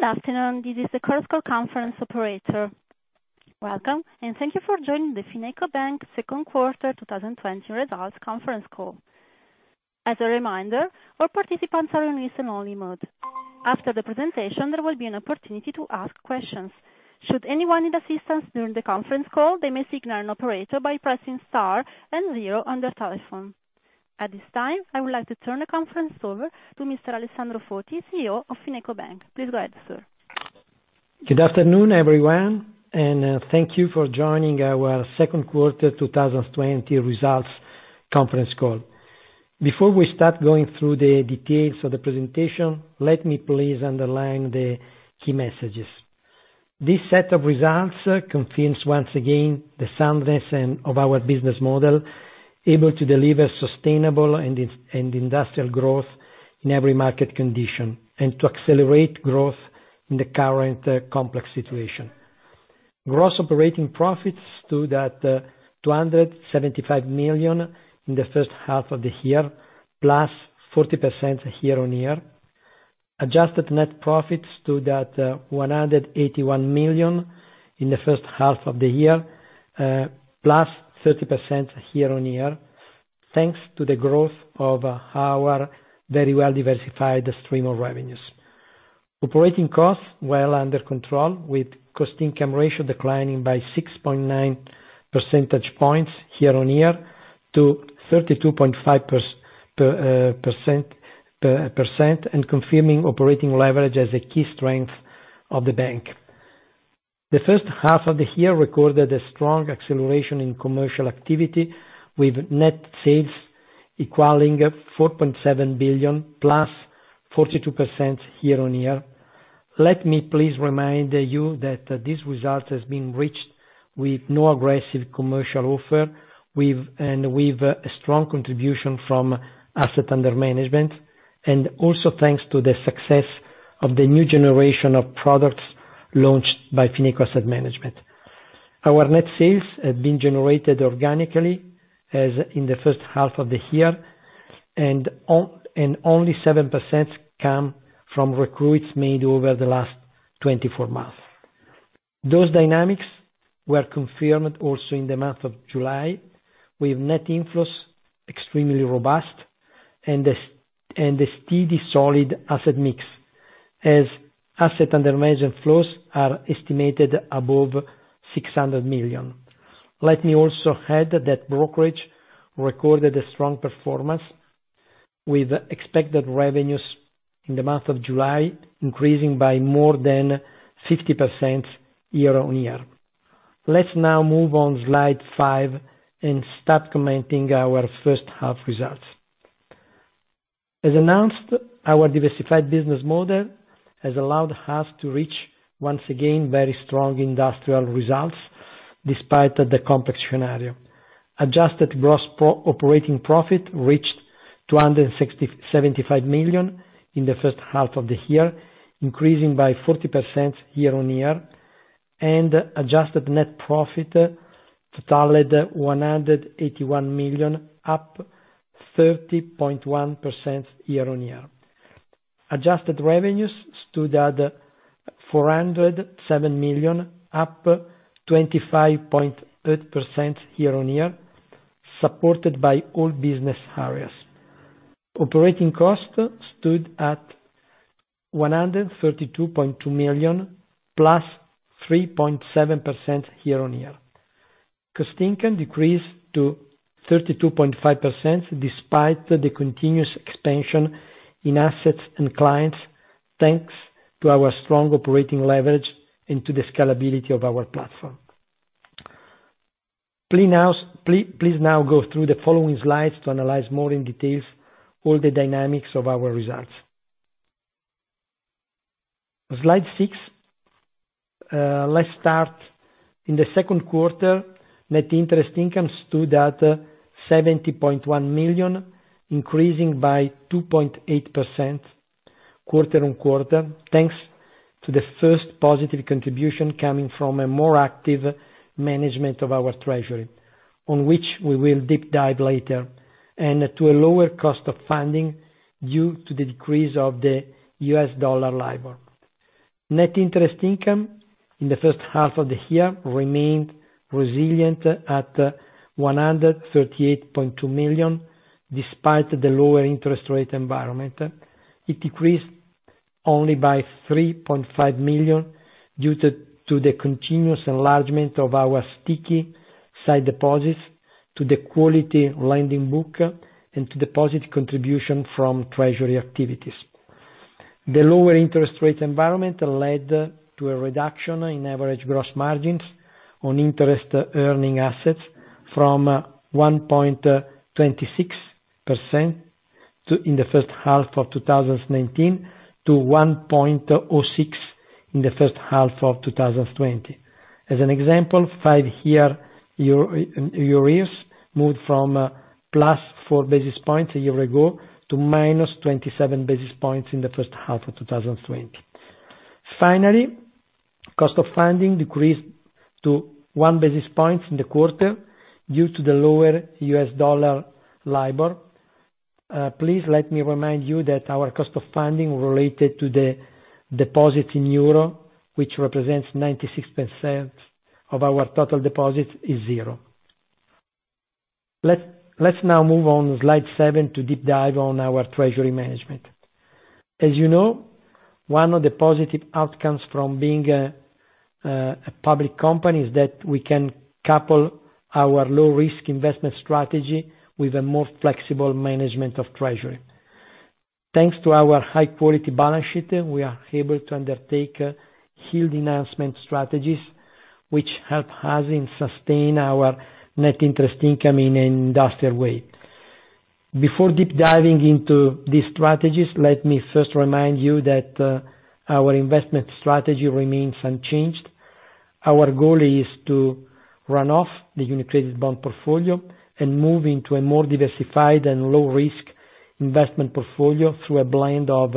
Good afternoon. This is the Chorus Call Conference operator. Welcome, and thank you for joining the FinecoBank Second Quarter 2020 Results Conference Call. As a reminder, all participants are in listen-only mode. After the presentation, there will be an opportunity to ask questions. Should anyone need assistance during the conference call, they may signal an operator by pressing star and zero on their telephone. At this time, I would like to turn the conference over to Mr. Alessandro Foti, CEO of FinecoBank. Please go ahead, sir. Good afternoon, everyone, thank you for joining our second quarter 2020 results conference call. Before we start going through the details of the presentation, let me please underline the key messages. This set of results confirms once again the soundness of our business model, able to deliver sustainable and industrial growth in every market condition, and to accelerate growth in the current complex situation. Gross operating profits stood at 275 million in the first half of the year, +40% year-on-year. Adjusted net profits stood at 181 million in the first half of the year, +30% year-on-year, thanks to the growth of our very well-diversified stream of revenues. Operating costs were well under control, with cost-income ratio declining by 6.9 percentage points year-on-year to 32.5% and confirming operating leverage as a key strength of the bank. The first half of the year recorded a strong acceleration in commercial activity with net sales equaling 4.7 billion, +42% year-on-year. Let me please remind you that this result has been reached with no aggressive commercial offer, with strong contribution from asset under management, and also thanks to the success of the new generation of products launched by Fineco Asset Management. Our net sales have been generated organically as in the first half of the year, only 7% come from recruits made over the last 24 months. Those dynamics were confirmed also in the month of July, with net inflows extremely robust and a steady, solid asset mix as asset under management flows are estimated above 600 million. Let me also add that brokerage recorded a strong performance with expected revenues in the month of July, increasing by more than 50% year-on-year. Let's now move on slide five and start commenting our first half results. As announced, our diversified business model has allowed us to reach once again very strong industrial results despite the complex scenario. Adjusted gross operating profit reached 275 million in the first half of the year, increasing by 40% year-on-year, and adjusted net profit totaled EUR 181 million, up 30.1% year-on-year. Adjusted revenues stood at 407 million, up 25.8% year-on-year, supported by all business areas. Operating costs stood at EUR 132.2 million, +3.7% year-on-year. cost-income decreased to 32.5%, despite the continuous expansion in assets and clients, thanks to our strong operating leverage into the scalability of our platform. Please now go through the following slides to analyze more in details all the dynamics of our results. Slide six. Let's start. In the second quarter, net interest income stood at 70.1 million, increasing by 2.8% quarter-on-quarter, thanks to the first positive contribution coming from a more active management of our treasury, on which we will deep dive later, and to a lower cost of funding due to the decrease of the U.S. dollar LIBOR. Net interest income in the first half of the year remained resilient at 138.2 million, despite the lower interest rate environment. It decreased only by 3.5 million due to the continuous enlargement of our sticky side deposits, to the quality lending book, and to deposit contribution from treasury activities. The lower interest rate environment led to a reduction in average gross margins on interest-earning assets from 1.26% in the first half of 2019 to 1.06% in the first half of 2020. As an example, five-year EURIBORs moved from plus four basis points a year ago to -27 basis points in the first half of 2020. Finally, cost of funding decreased to one basis point in the quarter due to the lower U.S. dollar LIBOR. Please let me remind you that our cost of funding related to the deposit in euro, which represents 96% of our total deposits, is zero. Let's now move on to slide seven to deep dive on our treasury management. As you know, one of the positive outcomes from being a public company is that we can couple our low-risk investment strategy with a more flexible management of treasury. Thanks to our high-quality balance sheet, we are able to undertake yield enhancement strategies, which help us in sustain our net interest income in an industrial way. Before deep diving into these strategies, let me first remind you that our investment strategy remains unchanged. Our goal is to run off the UniCredit bond portfolio and move into a more diversified and low-risk investment portfolio through a blend of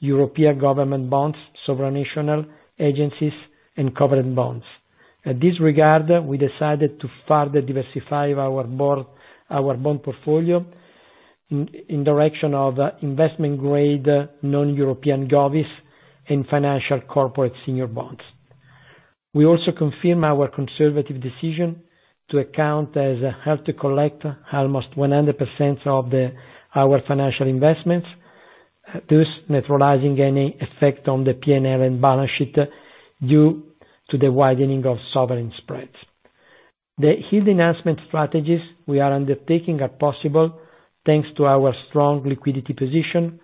European government bonds, supranational agencies, and covered bonds. In this regard, we decided to further diversify our bond portfolio in direction of investment-grade non-European govies and financial corporate senior bonds. We also confirm our conservative decision to account as held to collect almost 100% of our financial investments, thus neutralizing any effect on the P&L and balance sheet due to the widening of sovereign spreads. The yield enhancement strategies we are undertaking are possible thanks to our strong liquidity position,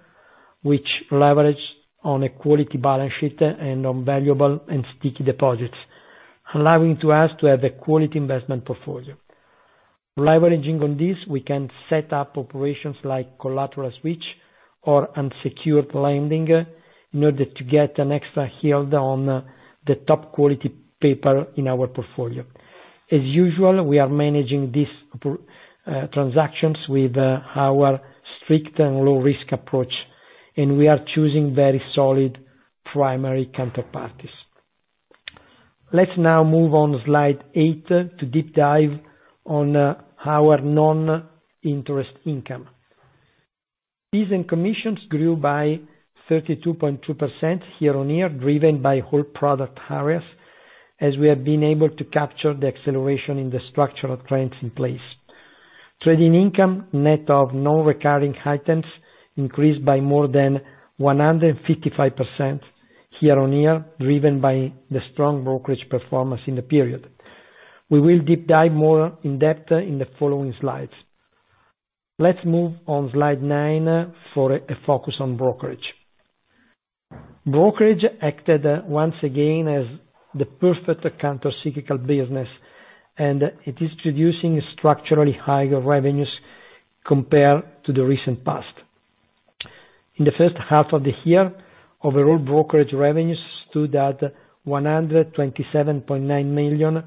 which leverage on a quality balance sheet and on valuable and sticky deposits, allowing to us to have a quality investment portfolio. Leveraging on this, we can set up operations like collateral switch or unsecured lending in order to get an extra yield on the top quality paper in our portfolio. As usual, we are managing these transactions with our strict and low-risk approach, and we are choosing very solid primary counterparties. Let's now move on to slide eight to deep dive on our non-interest income. Fees and commissions grew by 32.2% year-on-year, driven by whole product areas, as we have been able to capture the acceleration in the structural trends in place. Trading income, net of non-recurring items, increased by more than 155% year-on-year, driven by the strong brokerage performance in the period. We will deep dive more in depth in the following slides. Let's move on slide nine for a focus on brokerage. Brokerage acted once again as the perfect counter-cyclical business, and it is producing structurally higher revenues compared to the recent past. In the first half of the year, overall brokerage revenues stood at 127.9 million,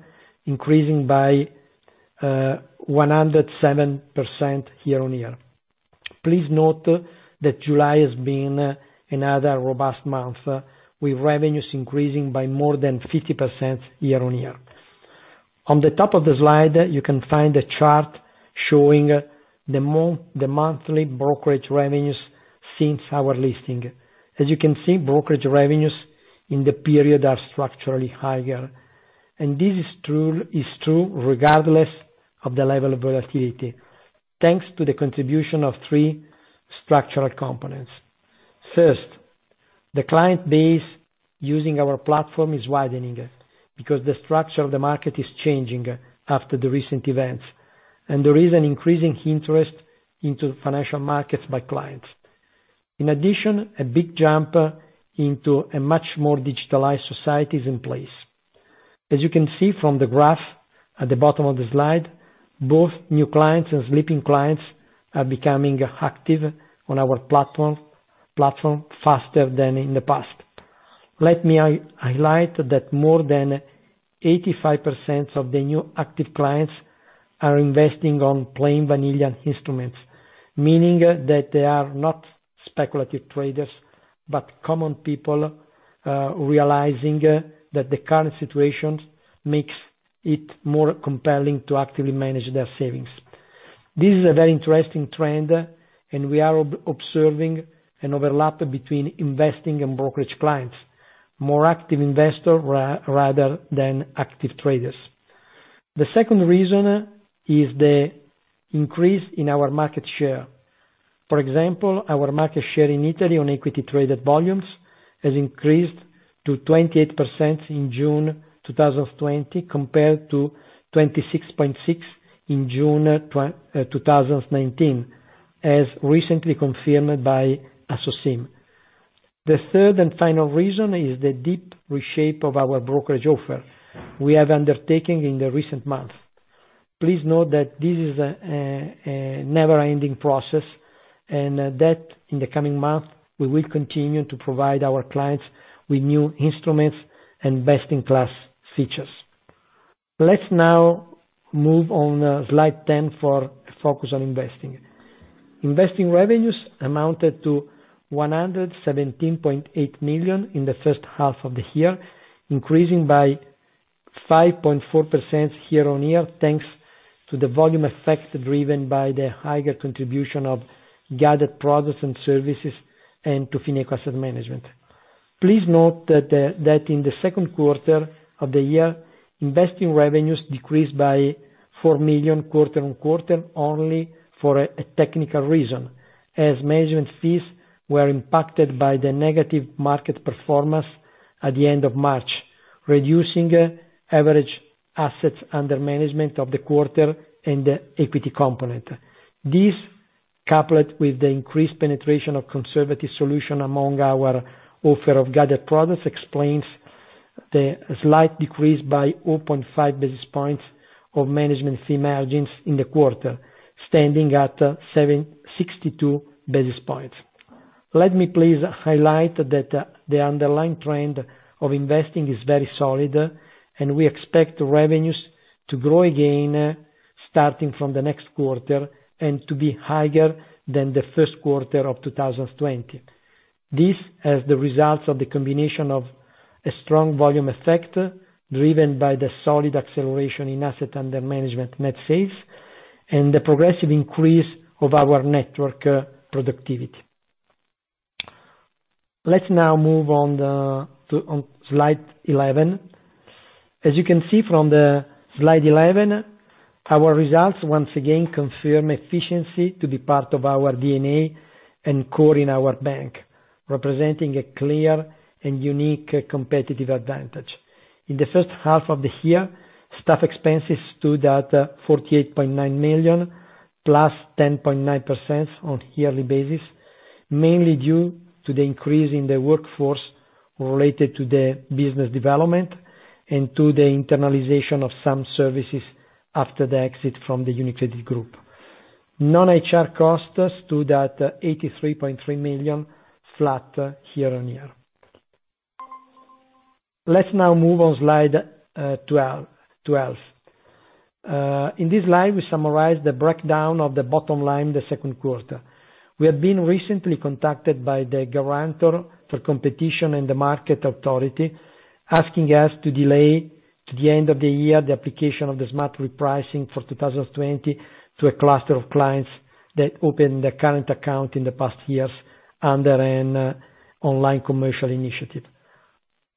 increasing by 107% year-on-year. Please note that July has been another robust month, with revenues increasing by more than 50% year-on-year. On the top of the slide, you can find a chart showing the monthly brokerage revenues since our listing. As you can see, brokerage revenues in the period are structurally higher. This is true regardless of the level of volatility, thanks to the contribution of three structural components. First, the client base using our platform is widening because the structure of the market is changing after the recent events, and there is an increasing interest into financial markets by clients. In addition, a big jump into a much more digitalized society is in place. As you can see from the graph at the bottom of the slide, both new clients and sleeping clients are becoming active on our platform faster than in the past. Let me highlight that more than 85% of the new active clients are investing on plain vanilla instruments, meaning that they are not speculative traders, but common people realizing that the current situation makes it more compelling to actively manage their savings. This is a very interesting trend, and we are observing an overlap between investing and brokerage clients, more active investor rather than active traders. The second reason is the increase in our market share. For example, our market share in Italy on equity traded volumes has increased to 28% in June 2020 compared to 26.6% in June 2019, as recently confirmed by Assosim. The third and final reason is the deep reshape of our brokerage offer we have undertaken in the recent months. Please note that this is a never-ending process and that in the coming months, we will continue to provide our clients with new instruments and best-in-class features. Let's now move on slide 10 for a focus on investing. Investing revenues amounted to 117.8 million in the first half of the year, increasing by 5.4% year-on-year, thanks to the volume effect driven by the higher contribution of gathered products and services and to Fineco Asset Management. Please note that in the second quarter of the year, investing revenues decreased by 4 million quarter-on-quarter only for a technical reason, as management fees were impacted by the negative market performance at the end of March, reducing average assets under management of the quarter and the equity component. This, coupled with the increased penetration of conservative solution among our offer of gathered products, explains the slight decrease by 0.5 basis points of management fee margins in the quarter, standing at 62 basis points. We expect revenues to grow again, starting from the next quarter, to be higher than the first quarter of 2020. This has the results of the combination of a strong volume effect, driven by the solid acceleration in asset under management net sales, the progressive increase of our network productivity. Let's now move on to slide 11. As you can see from the slide 11, our results once again confirm efficiency to be part of our DNA and core in our bank, representing a clear and unique competitive advantage. In the first half of the year, staff expenses stood at 48.9 million, +10.9% on a yearly basis, mainly due to the increase in the workforce related to the business development and to the internalization of some services after the exit from the UniCredit group. Non-HR costs stood at 83.3 million, flat year-on-year. Let's now move on slide 12. In this slide, we summarize the breakdown of the bottom line the second quarter. We have been recently contacted by the Guarantor for Competition and the Market Authority, asking us to delay to the end of the year the application of the smart repricing for 2020 to a cluster of clients that opened a current account in the past years under an online commercial initiative.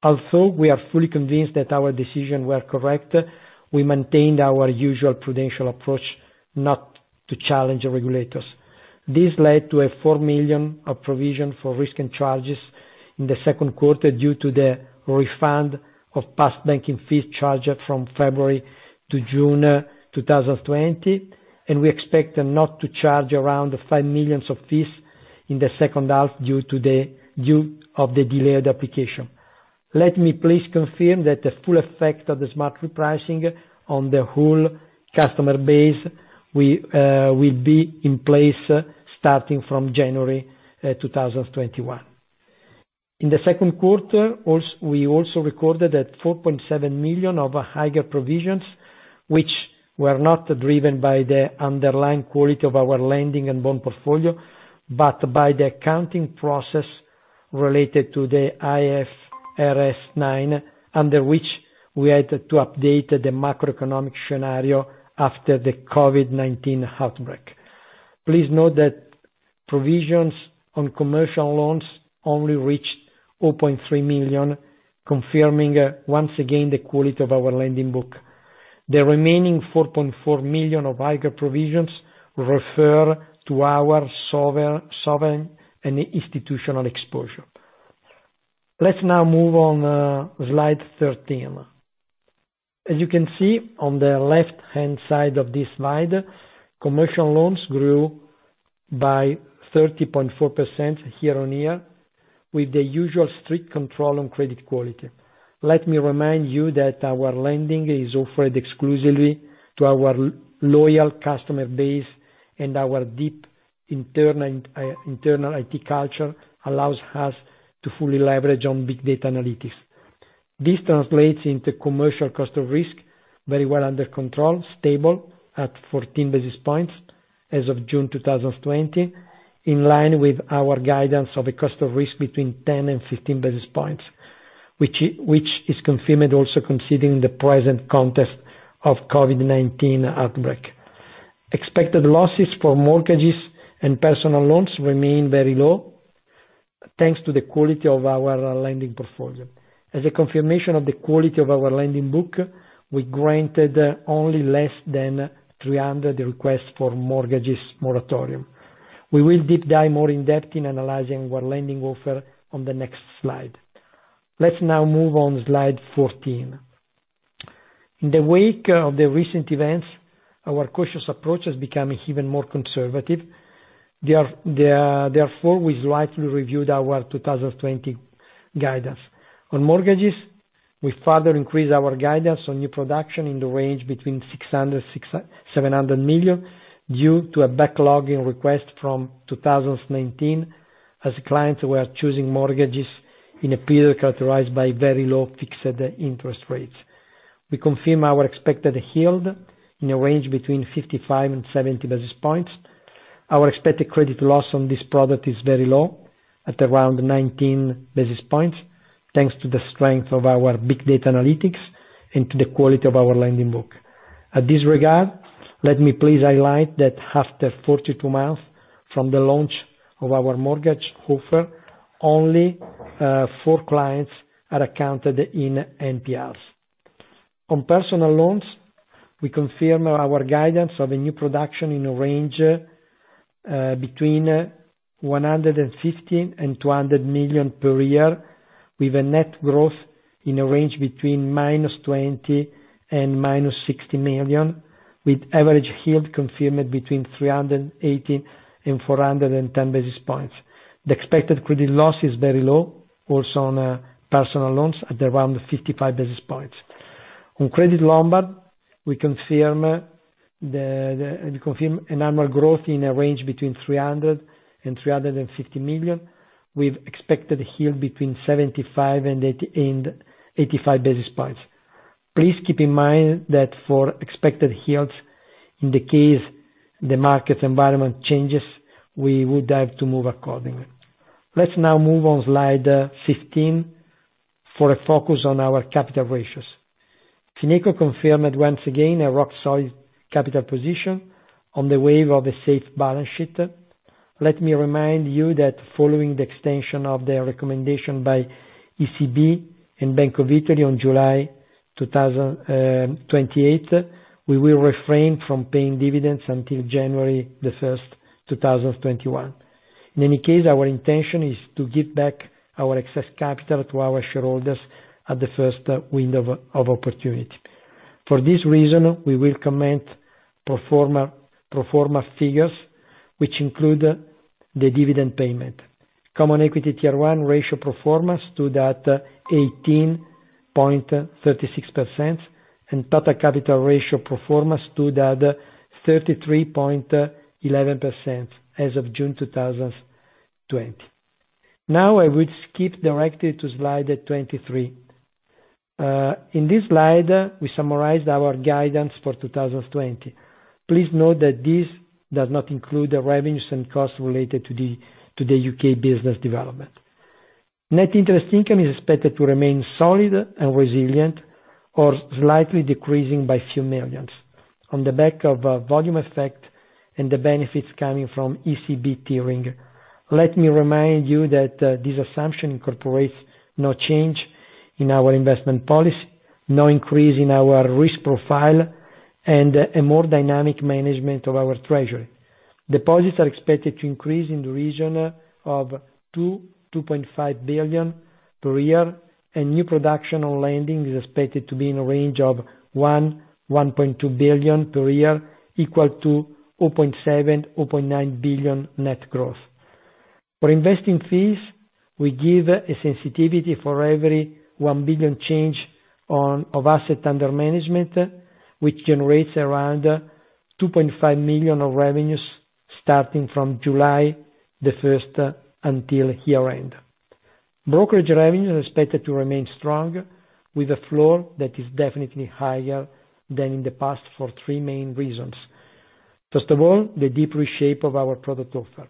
Although we are fully convinced that our decision were correct, we maintained our usual prudential approach not to challenge the regulators. This led to a 4 million of provision for risk and charges in the second quarter due to the refund of past banking fees charged from February to June 2020. We expect not to charge around 5 million of fees in the second half due of the delayed application. Let me please confirm that the full effect of the smart repricing on the whole customer base will be in place starting from January 2021. In the second quarter, we also recorded that 4.7 million of higher provisions, which were not driven by the underlying quality of our lending and bond portfolio, but by the accounting process related to the IFRS 9, under which we had to update the macroeconomic scenario after the COVID-19 outbreak. Please note that provisions on commercial loans only reached 0.3 million, confirming once again the quality of our lending book. The remaining 4.4 million of higher provisions refer to our sovereign and institutional exposure. Let's now move on slide 13. As you can see on the left-hand side of this slide, commercial loans grew by 30.4% year-on-year with the usual strict control on credit quality. Let me remind you that our lending is offered exclusively to our loyal customer base, and our deep internal IT culture allows us to fully leverage on big data analytics. This translates into commercial cost of risk very well under control, stable at 14 basis points as of June 2020, in line with our guidance of a cost of risk between 10 and 15 basis points, which is confirmed also considering the present context of COVID-19 outbreak. Expected losses for mortgages and personal loans remain very low, thanks to the quality of our lending portfolio. As a confirmation of the quality of our lending book, we granted only less than 300 requests for mortgages moratorium. We will deep dive more in depth in analyzing our lending offer on the next slide. Let's now move on slide 14. In the wake of the recent events, our cautious approach has become even more conservative. We slightly reviewed our 2020 guidance. On mortgages, we further increased our guidance on new production in the range between 600 million-700 million due to a backlog in request from 2019, as clients were choosing mortgages in a period characterized by very low fixed interest rates. We confirm our expected yield in a range between 55 and 70 basis points. Our expected credit loss on this product is very low, at around 19 basis points, thanks to the strength of our big data analytics and to the quality of our lending book. At this regard, let me please highlight that after 42 months from the launch of our mortgage offer, only four clients are accounted in NPLs. On personal loans, we confirm our guidance of a new production in a range between 150 million and 200 million per year, with a net growth in a range between minus 20 million and minus 60 million, with average yield confirmed between 380 basis points and 410 basis points. The expected credit loss is very low, also on personal loans, at around 55 basis points. On Credit Lombard, we confirm an annual growth in a range between 300 million and 350 million, with expected yield between 75 basis points and 85 basis points. Please keep in mind that for expected yields, in the case the market environment changes, we would have to move accordingly. Let's now move on slide 15 for a focus on our capital ratios. Fineco confirmed once again a rock solid capital position on the wave of a safe balance sheet. Let me remind you that following the extension of the recommendation by ECB and Bank of Italy on July 28, we will refrain from paying dividends until January 1, 2021. In any case, our intention is to give back our excess capital to our shareholders at the first window of opportunity. For this reason, we will comment pro forma figures, which include the dividend payment. Common Equity Tier 1 ratio pro forma stood at 18.36%, and total capital ratio pro forma stood at 33.11% as of June 2020. Now I will skip directly to slide 23. In this slide, we summarized our guidance for 2020. Please note that this does not include the revenues and costs related to the UK business development. Net interest income is expected to remain solid and resilient, or slightly decreasing by a few million EUR, on the back of volume effect and the benefits coming from ECB tiering. Let me remind you that this assumption incorporates no change in our investment policy, no increase in our risk profile, and a more dynamic management of our treasury. Deposits are expected to increase in the region of 2 billion-2.5 billion per year, and new production on lending is expected to be in a range of 1 billion-1.2 billion per year, equal to 0.7 billion-0.9 billion net growth. For investing fees, we give a sensitivity for every 1 billion change of asset under management, which generates around 2.5 million of revenues starting from July 1st until year-end. Brokerage revenue is expected to remain strong, with a floor that is definitely higher than in the past for three main reasons. First of all, the deep reshape of our product offer.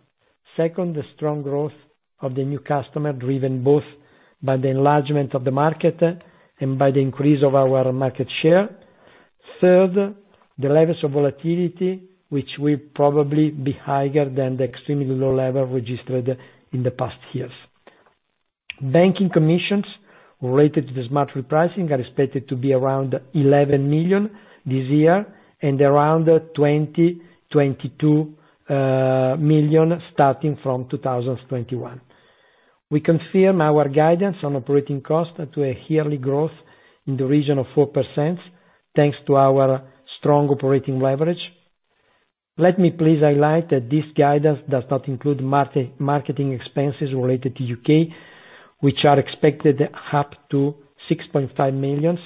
Second, the strong growth of the new customer, driven both by the enlargement of the market and by the increase of our market share. Third, the levels of volatility, which will probably be higher than the extremely low level registered in the past years. Banking commissions related to the smart repricing are expected to be around 11 million this year and around 20 million-22 million starting from 2021. We confirm our guidance on operating costs to a yearly growth in the region of 4%, thanks to our strong operating leverage. Let me please highlight that this guidance does not include marketing expenses related to U.K., which are expected up to 6.5 million.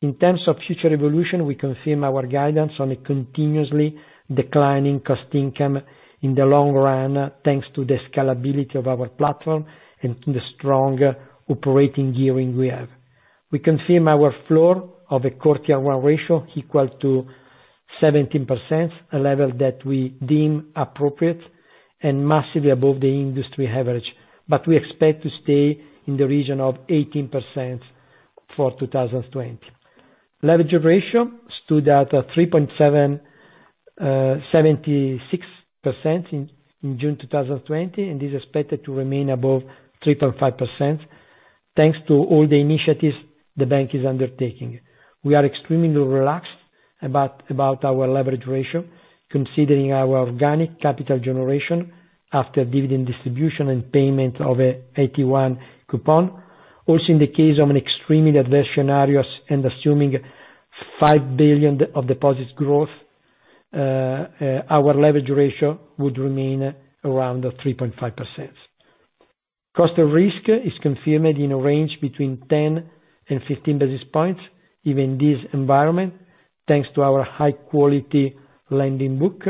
In terms of future evolution, we confirm our guidance on a continuously declining cost-income in the long run, thanks to the scalability of our platform and the strong operating gearing we have. We confirm our floor of a Core Tier 1 ratio equal to 17%, a level that we deem appropriate and massively above the industry average, but we expect to stay in the region of 18% for 2020. Leverage ratio stood at 3.76% in June 2020 and is expected to remain above 3.5%, thanks to all the initiatives the bank is undertaking. We are extremely relaxed about our leverage ratio, considering our organic capital generation after dividend distribution and payment of an AT1 coupon. Also, in the case of an extremely adverse scenario and assuming 5 billion of deposits growth, our leverage ratio would remain around 3.5%. Cost of risk is confirmed in a range between 10 and 15 basis points given this environment. Thanks to our high-quality lending book.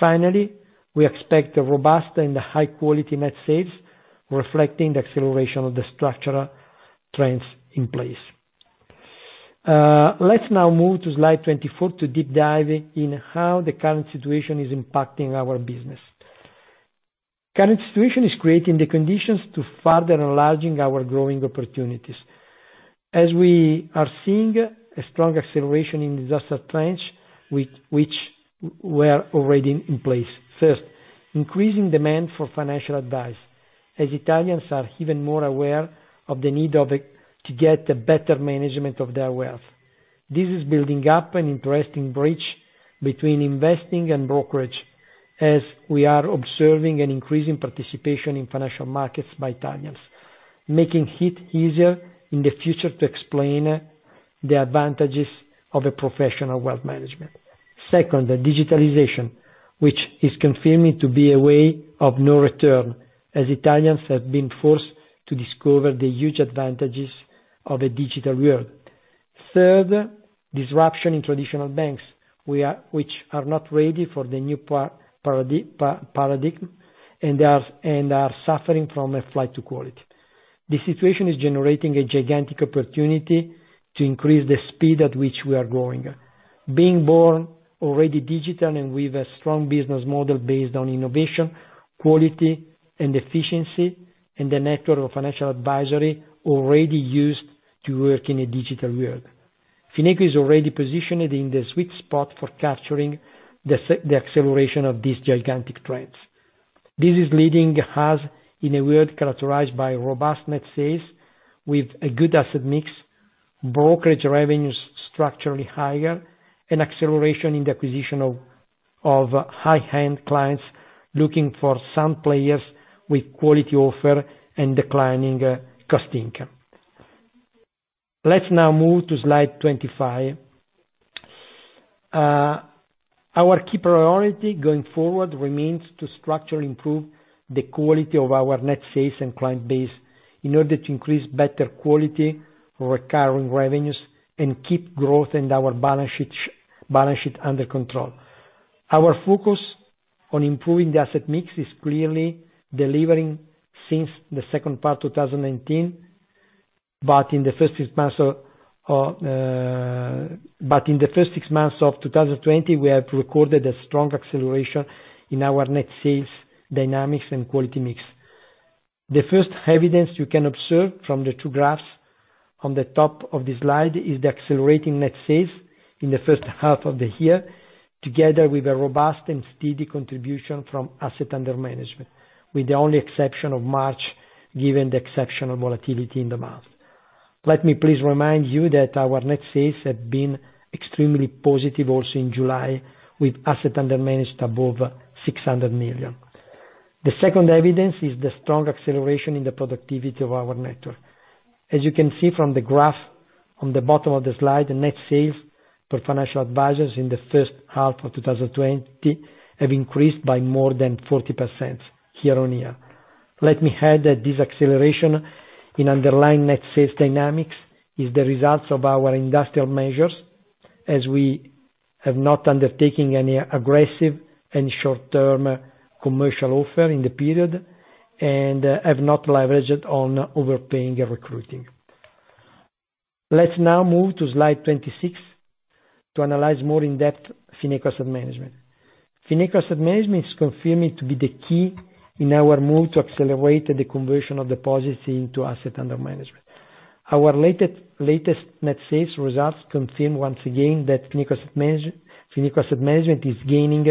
Finally, we expect a robust and high-quality net sales, reflecting the acceleration of the structural trends in place. Let's now move to slide 24 to deep dive in how the current situation is impacting our business. Current situation is creating the conditions to further enlarging our growing opportunities. As we are seeing a strong acceleration in industrial trends which were already in place. First, increasing demand for financial advice, as Italians are even more aware of the need to get a better management of their wealth. This is building up an interesting bridge between investing and brokerage, as we are observing an increase in participation in financial markets by Italians, making it easier in the future to explain the advantages of a professional wealth management. Second, the digitalization, which is confirmed to be a way of no return, as Italians have been forced to discover the huge advantages of a digital world. Third, disruption in traditional banks, which are not ready for the new paradigm and are suffering from a flight to quality. The situation is generating a gigantic opportunity to increase the speed at which we are growing. Being born already digital and with a strong business model based on innovation, quality, and efficiency, and the network of financial advisory already used to work in a digital world. Fineco is already positioned in the sweet spot for capturing the acceleration of these gigantic trends. This is leading us in a world characterized by robust net sales with a good asset mix, brokerage revenues structurally higher, and acceleration in the acquisition of high-end clients looking for some players with quality offer and declining cost income. Let's now move to slide 25. Our key priority going forward remains to structurally improve the quality of our net sales and client base in order to increase better quality recurring revenues and keep growth and our balance sheet under control. Our focus on improving the asset mix is clearly delivering since the second part 2019. In the first six months of 2020, we have recorded a strong acceleration in our net sales dynamics and quality mix. The first evidence you can observe from the two graphs on the top of the slide is the accelerating net sales in the first half of the year, together with a robust and steady contribution from asset under management, with the only exception of March, given the exceptional volatility in the month. Let me please remind you that our net sales have been extremely positive also in July, with assets under management above 600 million. The second evidence is the strong acceleration in the productivity of our network. As you can see from the graph on the bottom of the slide, the net sales for financial advisors in the first half of 2020 have increased by more than 40% year-on-year. Let me add that this acceleration in underlying net sales dynamics is the result of our industrial measures, as we have not undertaken any aggressive and short-term commercial offer in the period, and have not leveraged on overpaying recruiting. Let's now move to slide 26 to analyze more in depth Fineco Asset Management. Fineco Asset Management is confirmed to be the key in our move to accelerate the conversion of deposits into assets under management. Our latest net sales results confirm once again that Fineco Asset Management is gaining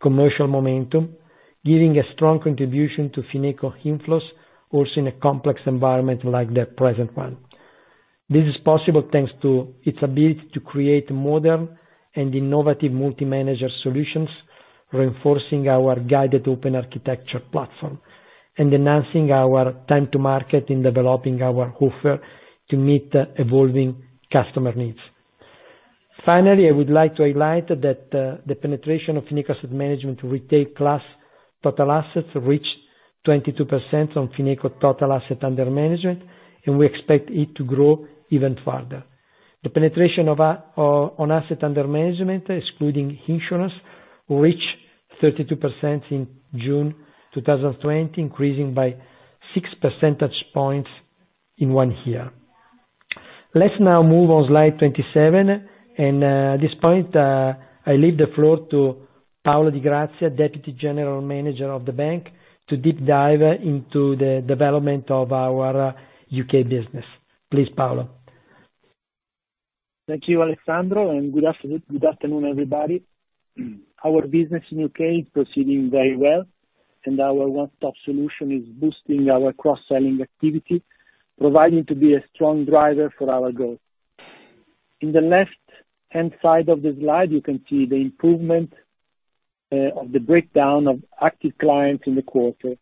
commercial momentum, giving a strong contribution to Fineco inflows, also in a complex environment like the present one. This is possible thanks to its ability to create modern and innovative multi-manager solutions, reinforcing our guided open architecture platform, and enhancing our time to market in developing our offer to meet the evolving customer needs. Finally, I would like to highlight that the penetration of Fineco Asset Management retail class total assets reached 22% on Fineco total asset under management, and we expect it to grow even further. The penetration on asset under management, excluding insurance, reached 32% in June 2020, increasing by six percentage points in one year. Let's now move on slide 27. At this point, I leave the floor to Paolo Di Grazia, Deputy General Manager of the bank, to deep dive into the development of our U.K. business. Please, Paolo. Thank you, Alessandro. Good afternoon, everybody. Our business in U.K. is proceeding very well. Our one-stop solution is boosting our cross-selling activity, proving to be a strong driver for our growth. In the left-hand side of the slide, you can see the improvement of the breakdown of active clients in the quarter.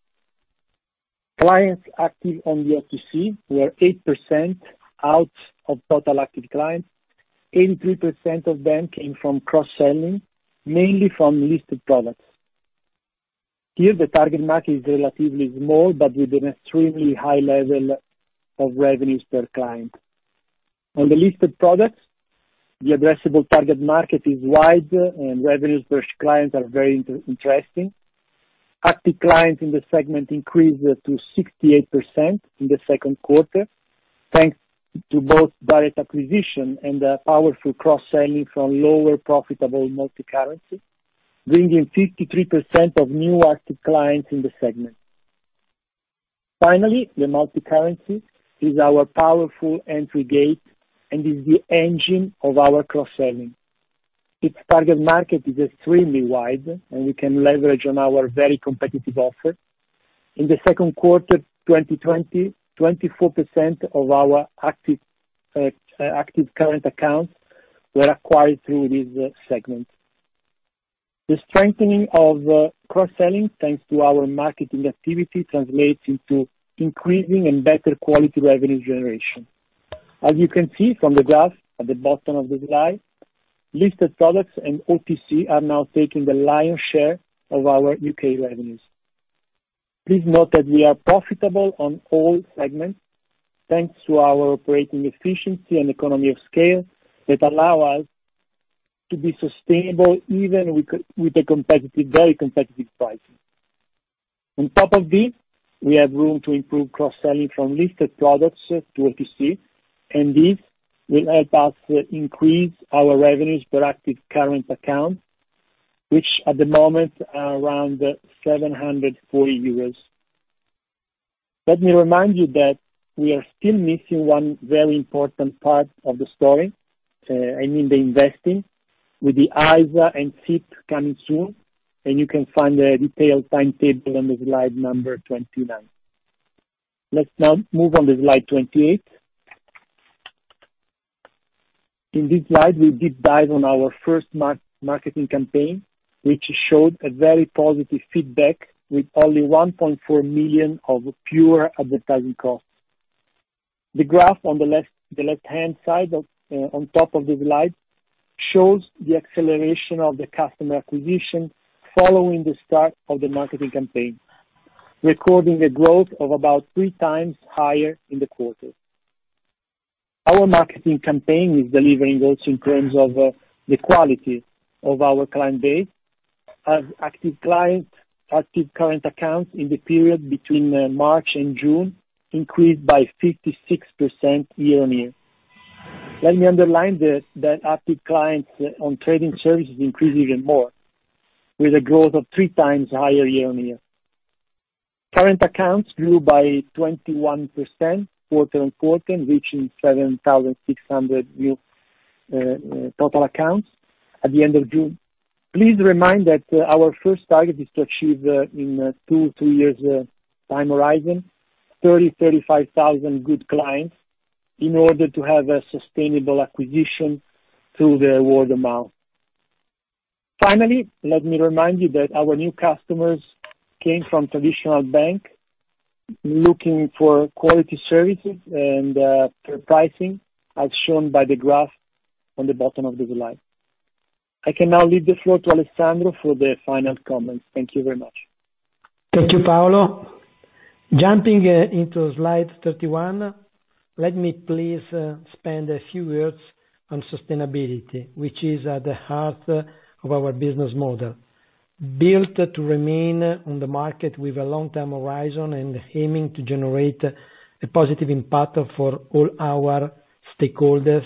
Clients active on the OTC were 8% out of total active clients. 83% of bank came from cross-selling, mainly from listed products. Here, the target market is relatively small, but with an extremely high level of revenues per client. On the listed products, the addressable target market is wide. Revenues per client are very interesting. Active clients in the segment increased to 68% in the second quarter, thanks to both Barrett acquisition and the powerful cross-selling from lower profitable multi-currency, bringing 53% of new active clients in the segment. Finally, the Multi-currency is our powerful entry gate and is the engine of our cross-selling. Its target market is extremely wide, and we can leverage on our very competitive offer. In the second quarter 2020, 24% of our active current accounts were acquired through this segment. The strengthening of cross-selling, thanks to our marketing activity, translates into increasing and better quality revenue generation. As you can see from the graph at the bottom of the slide, listed products and OTC are now taking the lion's share of our U.K. revenues. Please note that we are profitable on all segments, thanks to our operating efficiency and economy of scale that allow us to be sustainable even with very competitive pricing. On top of this, we have room to improve cross-selling from listed products to OTC, and this will help us increase our revenues per active current account, which at the moment are around 740 euros. Let me remind you that we are still missing one very important part of the story. I mean the investing with the ISA and SIPPs coming soon, and you can find a detailed timetable on slide 29. Let's now move on to slide 28. In this slide, we deep dive on our first marketing campaign, which showed a very positive feedback with only 1.4 million of pure advertising costs. The graph on the left-hand side, on top of the slide, shows the acceleration of the customer acquisition following the start of the marketing campaign, recording a growth of about three times higher in the quarter. Our marketing campaign is delivering also in terms of the quality of our client base. Active clients, active current accounts in the period between March and June increased by 56% year-on-year. Let me underline that active clients on trading services increased even more, with a growth of three times higher year-on-year. Current accounts grew by 21% quarter-on-quarter, reaching 7,600 new total accounts at the end of June. Please remind that our first target is to achieve, in two, three years time horizon, 30,000, 35,000 good clients in order to have a sustainable acquisition through the award amount. Finally, let me remind you that our new customers came from traditional bank, looking for quality services and fair pricing, as shown by the graph on the bottom of the slide. I can now leave the floor to Alessandro for the final comments. Thank you very much. Thank you, Paolo. Jumping into slide 31, let me please spend a few words on sustainability, which is at the heart of our business model, built to remain on the market with a long-term horizon and aiming to generate a positive impact for all our stakeholders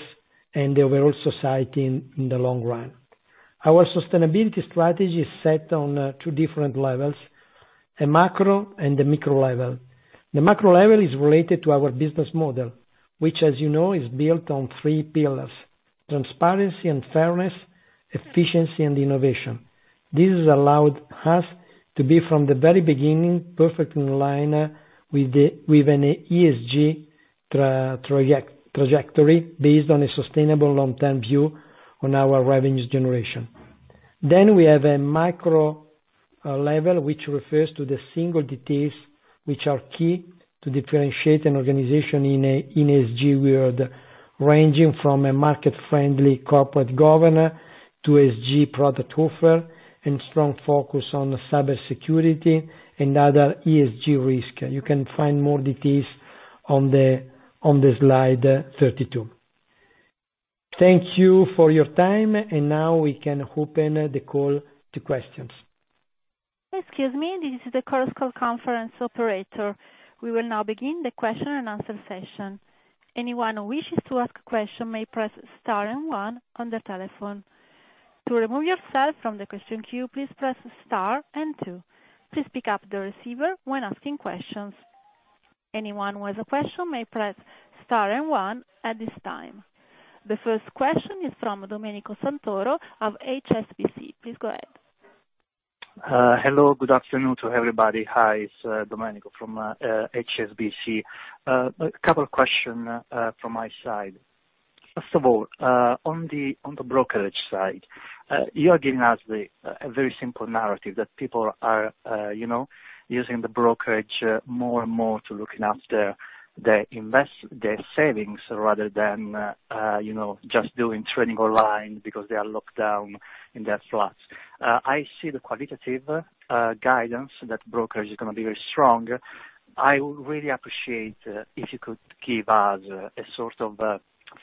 and the overall society in the long run. Our sustainability strategy is set on two different levels, a macro and the micro level. The macro level is related to our business model, which, as you know, is built on three pillars: transparency and fairness, efficiency and innovation. This has allowed us to be, from the very beginning, perfectly in line with an ESG trajectory based on a sustainable long-term view on our revenues generation. We have a micro-level, which refers to the single details, which are key to differentiate an organization in ESG world, ranging from a market-friendly corporate governor to ESG product offer and strong focus on cybersecurity and other ESG risk. You can find more details on the slide 32. Thank you for your time, and now we can open the call to questions. Excuse me. This is the Chorus Call conference operator. We will now begin the question and answer session. Anyone who wishes to ask a question may press star and one on their telephone. To remove yourself from the question queue, please press star and two. Please pick up the receiver when asking questions. Anyone who has a question may press star and one at this time. The first question is from Domenico Santoro of HSBC. Please go ahead. Hello. Good afternoon to everybody. Hi, it's Domenico from HSBC. A couple of questions from my side. First of all, on the brokerage side, you are giving us a very simple narrative that people are using the brokerage more and more to looking after their savings rather than just doing trading online because they are locked down in their flats. I see the qualitative guidance that brokerage is going to be very strong. I would really appreciate if you could give us a sort of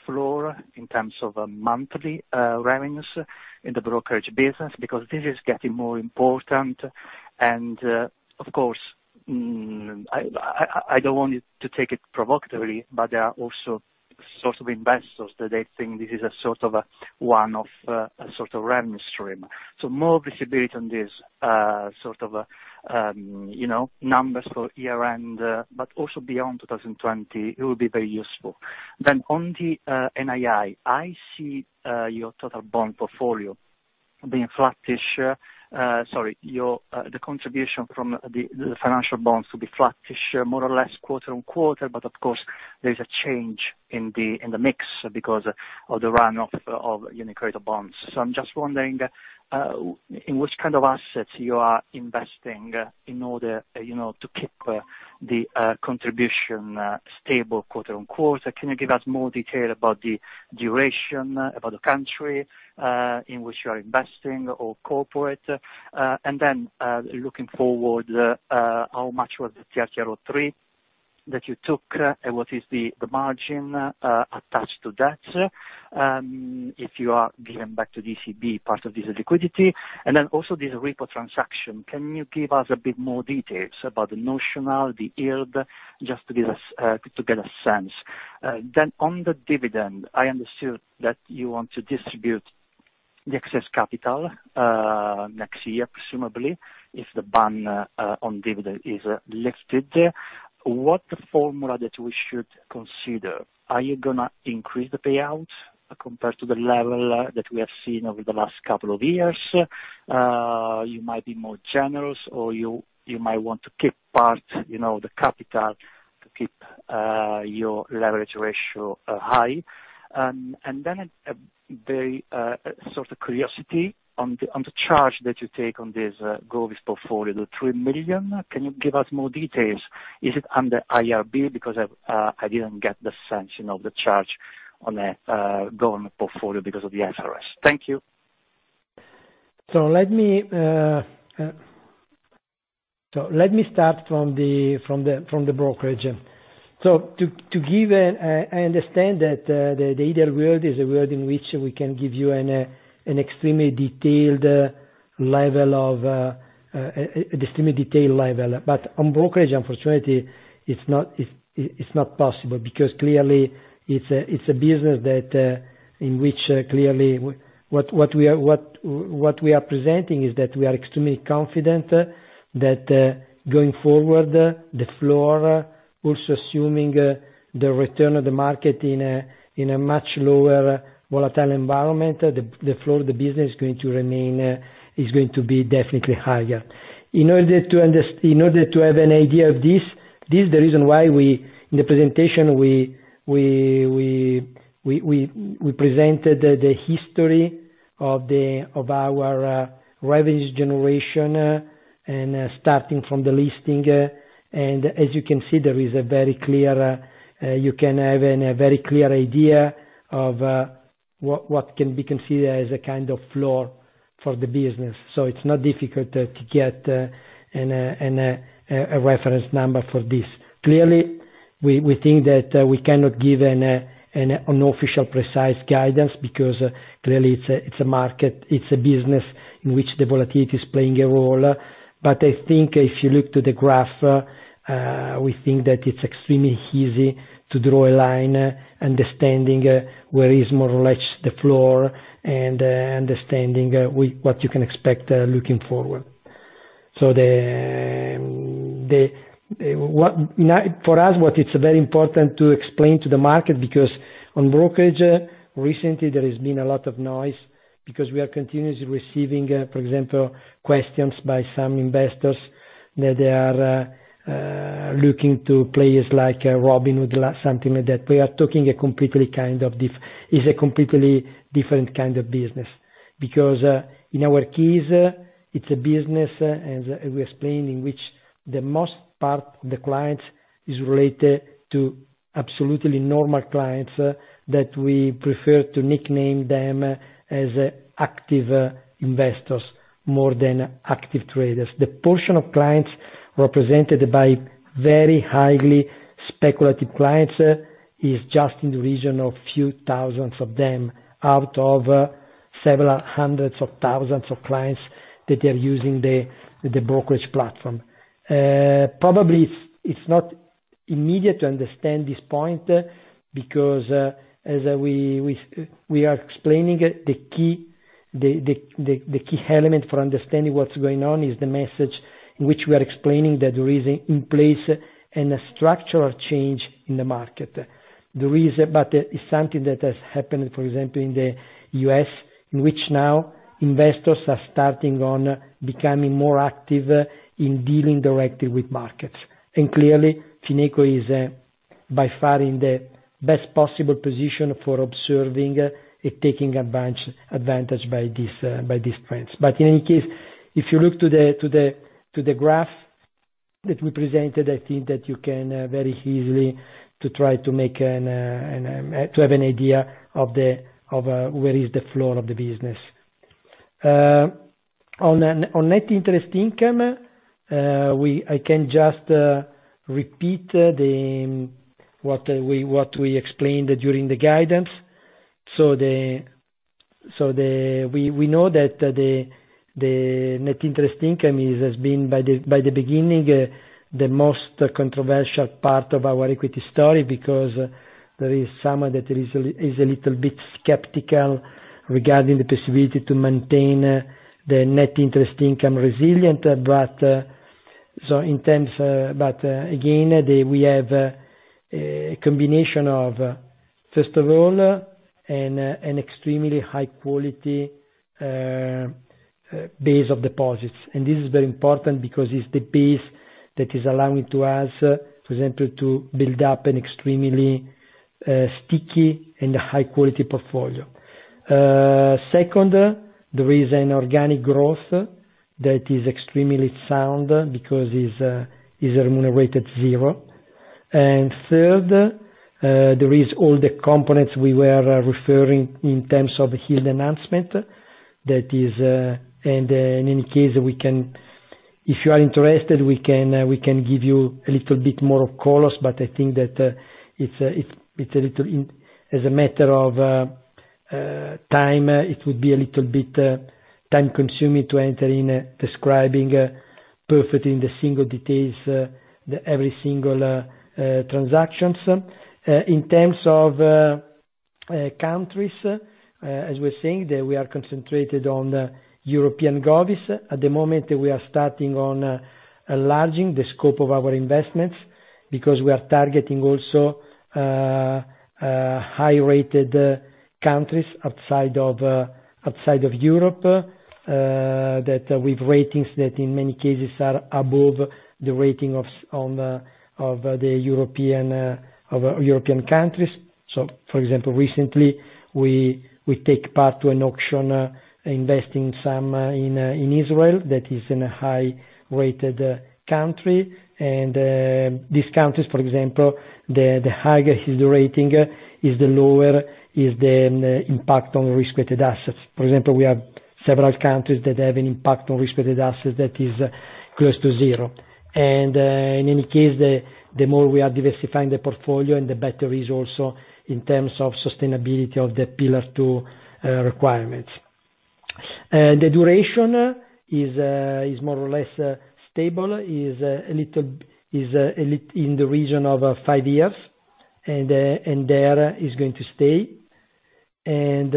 floor in terms of monthly revenues in the brokerage business, because this is getting more important. Of course, I don't want to take it provocatively, there are also sorts of investors that they think this is a one sort of revenue stream. More visibility on these sort of numbers for year-end, also beyond 2020, it will be very useful. On the NII, I see your total bond portfolio being flattish. Sorry, the contribution from the financial bonds to be flattish more or less quarter-on-quarter. Of course, there's a change in the mix because of the run-off of UniCredit bonds. I'm just wondering, in which kind of assets you are investing in order to keep the contribution stable quarter-on-quarter. Can you give us more detail about the duration, about the country in which you are investing, or corporate? Looking forward, how much was the TLTRO III that you took, and what is the margin attached to that, if you are giving back to ECB part of this liquidity? This repo transaction, can you give us a bit more details about the notional, the yield, just to get a sense. On the dividend, I understood that you want to distribute the excess capital, next year presumably, if the ban on dividend is lifted. What formula that we should consider? Are you going to increase the payout compared to the level that we have seen over the last couple of years? You might be more generous, or you might want to keep part the capital to keep your leverage ratio high. Very sort of curiosity on the charge that you take on this government portfolio, the 3 million. Can you give us more details? Is it under IRB? I didn't get the sense of the charge on the government portfolio because of the IFRS. Thank you. Let me start from the brokerage. I understand that the ideal world is a world in which we can give you an extremely detailed level. On brokerage, unfortunately, it's not possible because clearly it's a business in which clearly what we are presenting is that we are extremely confident that going forward, the floor also assuming the return of the market in a much lower volatile environment, the flow of the business is going to be definitely higher. In order to have an idea of this is the reason why we, in the presentation, we presented the history of our revenues generation and starting from the listing. As you can see, you can have a very clear idea of what can be considered as a kind of floor for the business. It's not difficult to get a reference number for this. Clearly, we think that we cannot give an unofficial precise guidance because clearly it's a business in which the volatility is playing a role. I think if you look to the graph, we think that it's extremely easy to draw a line understanding where is more or less the floor and understanding what you can expect looking forward. For us, what it's very important to explain to the market, because on brokerage, recently there has been a lot of noise because we are continuously receiving, for example, questions by some investors that they are looking to players like Robinhood, something like that. We are talking is a completely different kind of business. In our case, it's a business, as we explained, in which the most part the client is related to absolutely normal clients that we prefer to nickname them as active investors more than active traders. The portion of clients represented by very highly speculative clients is just in the region of few thousands of them, out of several hundreds of thousands of clients that are using the brokerage platform. Probably it's not immediate to understand this point because as we are explaining it, the key element for understanding what's going on is the message in which we are explaining that there is in place and a structural change in the market. It's something that has happened, for example, in the U.S., in which now investors are starting on becoming more active in dealing directly with markets. Clearly, Fineco is by far in the best possible position for observing it, taking advantage by this point. In any case, if you look to the graph that we presented, I think that you can very easily to try to have an idea of where is the floor of the business. On net interest income, I can just repeat what we explained during the guidance. We know that the net interest income has been, by the beginning, the most controversial part of our equity story, because there is some that is a little bit skeptical regarding the possibility to maintain the net interest income resilient. Again, we have a combination of, first of all, an extremely high-quality base of deposits. This is very important because it's the base that is allowing to us, for example, to build up an extremely sticky and high-quality portfolio. Second, there is an organic growth that is extremely sound because it's remunerated zero. Third, there is all the components we were referring in terms of yield enhancement. In any case, if you are interested, we can give you a little bit more of colors, but I think that as a matter of time, it would be a little bit time-consuming to enter in describing perfectly in the single details every single transactions. In terms of countries, as we are saying, that we are concentrated on European govies. At the moment, we are starting on enlarging the scope of our investments, because we are targeting also high-rated countries outside of Europe, that with ratings that, in many cases, are above the rating of the European countries. For example, recently, we take part to an auction investing some in Israel, that is in a high-rated country. These countries, for example, the higher is the rating, is the lower is the impact on risk-weighted assets. For example, we have several countries that have an impact on risk-weighted assets that is close to zero. In any case, the more we are diversifying the portfolio, and the better is also in terms of sustainability of the Pillar 2 requirements. The duration is more or less stable, is in the region of five years, and there is going to stay. Based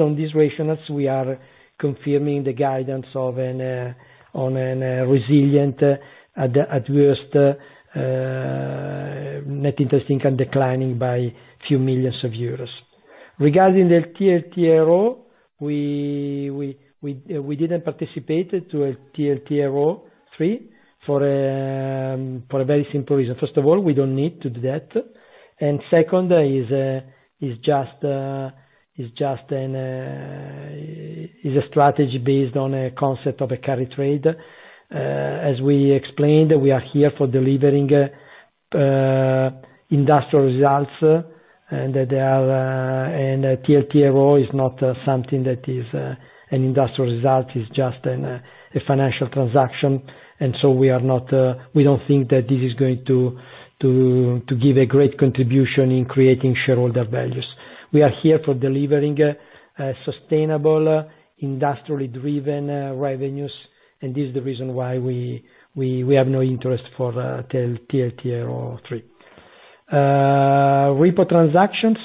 on these rationales, we are confirming the guidance of an resilient at worst net interest income declining by few million EUR. Regarding the TLTRO, we didn't participate to TLTRO III for a very simple reason. First of all, we don't need to do that, and second, is a strategy based on a concept of a carry trade. As we explained, we are here for delivering industrial results. TLTRO is not something that is an industrial result, it is just a financial transaction. We don't think that this is going to give a great contribution in creating shareholder values. We are here for delivering sustainable, industrially driven revenues, and this is the reason why we have no interest for TLTRO III. Repo transactions,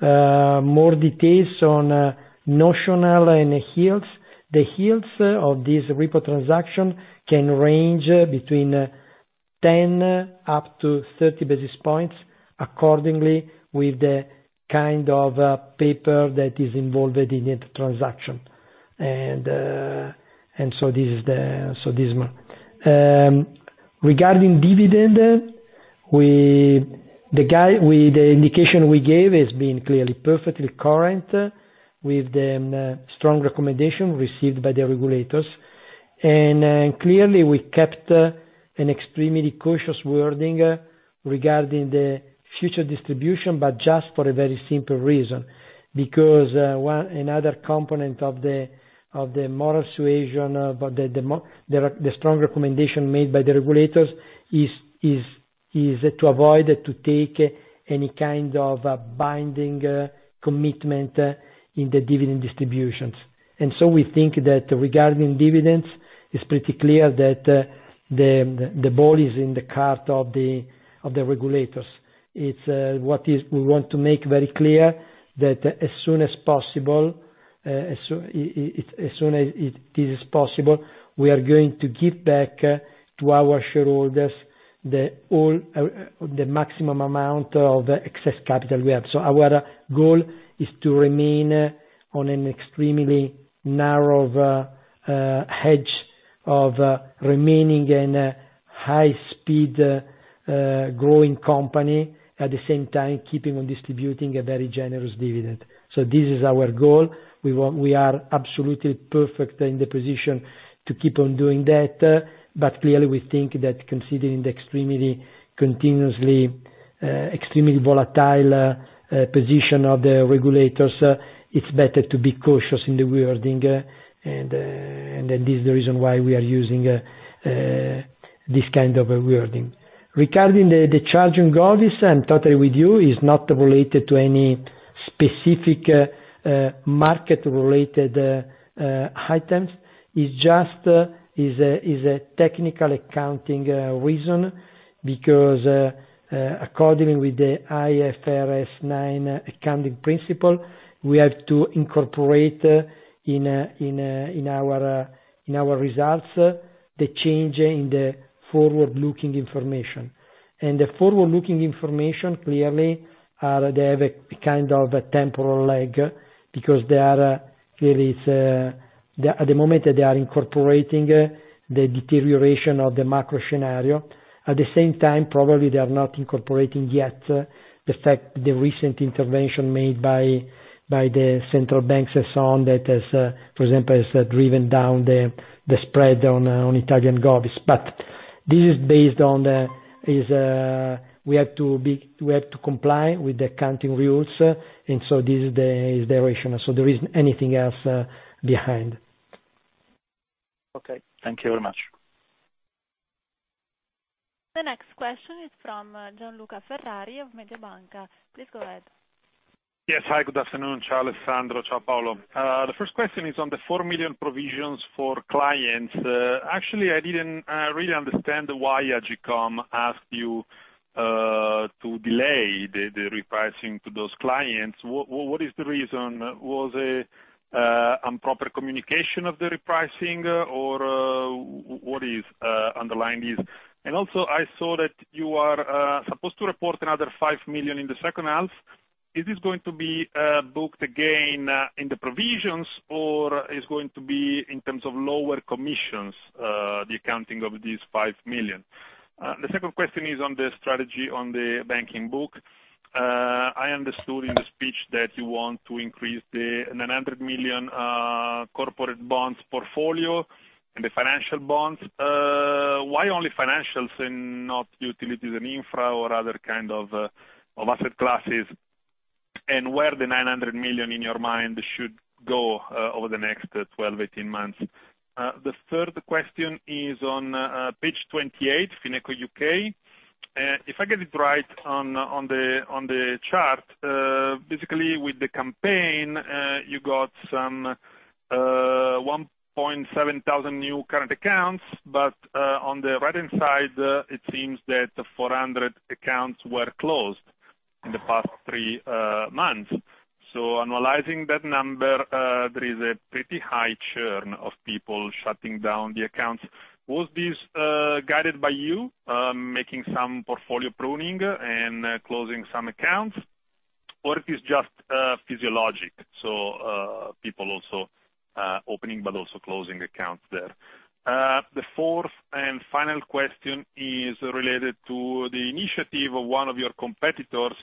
more details on notional and yields. The yields of this repo transaction can range between 10 up to 30 basis points, according to the kind of paper that is involved in that transaction. This is the summary. Regarding dividend, the indication we gave has been clearly perfectly current with the strong recommendation received by the regulators. Clearly, we kept an extremely cautious wording regarding the future distribution, but just for a very simple reason, because another component of the moral suasion about the strong recommendation made by the regulators is to avoid to take any kind of binding commitment in the dividend distributions. We think that regarding dividends, it's pretty clear that the ball is in the court of the regulators. We want to make very clear that as soon as it is possible, we are going to give back to our shareholders the maximum amount of excess capital we have. Our goal is to remain on an extremely narrow hedge of remaining and high speed growing company, at the same time, keeping on distributing a very generous dividend. This is our goal. We are absolutely perfect in the position to keep on doing that. Clearly, we think that considering the extremely volatile position of the regulators, it's better to be cautious in the wording, and that is the reason why we are using this kind of a wording. Regarding the charge on govies, I'm totally with you, it's not related to any specific market related items. It's just a technical accounting reason because, according with the IFRS 9 accounting principle, we have to incorporate in our results, the change in the forward-looking information. The forward-looking information clearly, they have a kind of a temporal lag because at the moment they are incorporating the deterioration of the macro scenario. At the same time, probably they are not incorporating yet the fact the recent intervention made by the central banks and so on that has, for example, has driven down the spread on Italian govies. We have to comply with the accounting rules, and so this is the rationale. There isn't anything else behind. Okay. Thank you very much. The next question is from Gianluca Ferrari of Mediobanca. Please go ahead. Yes. Hi, good afternoon. Ciao, Alessandro. Ciao, Paolo. The first question is on the 4 million provisions for clients. Actually, I didn't really understand why AGCM asked you to delay the repricing to those clients. What is the reason? Was it improper communication of the repricing or what is underlying this? Also, I saw that you are supposed to report another 5 million in the second half. Is this going to be booked again in the provisions or is going to be in terms of lower commissions, the accounting of these 5 million? The second question is on the strategy on the banking book. I understood in the speech that you want to increase the 900 million corporate bonds portfolio and the financial bonds. Why only financials and not utilities and infra or other kind of asset classes? Where the 900 million, in your mind, should go over the next 12, 18 months? The third question is on page 28, Fineco U.K. If I get it right on the chart, basically with the campaign, you got some 1,700 new current accounts, on the right-hand side, it seems that 400 accounts were closed in the past three months. Analyzing that number, there is a pretty high churn of people shutting down the accounts. Was this guided by you, making some portfolio pruning and closing some accounts, or it is just physiologic? People also opening but also closing accounts there. The fourth and final question is related to the initiative of one of your competitors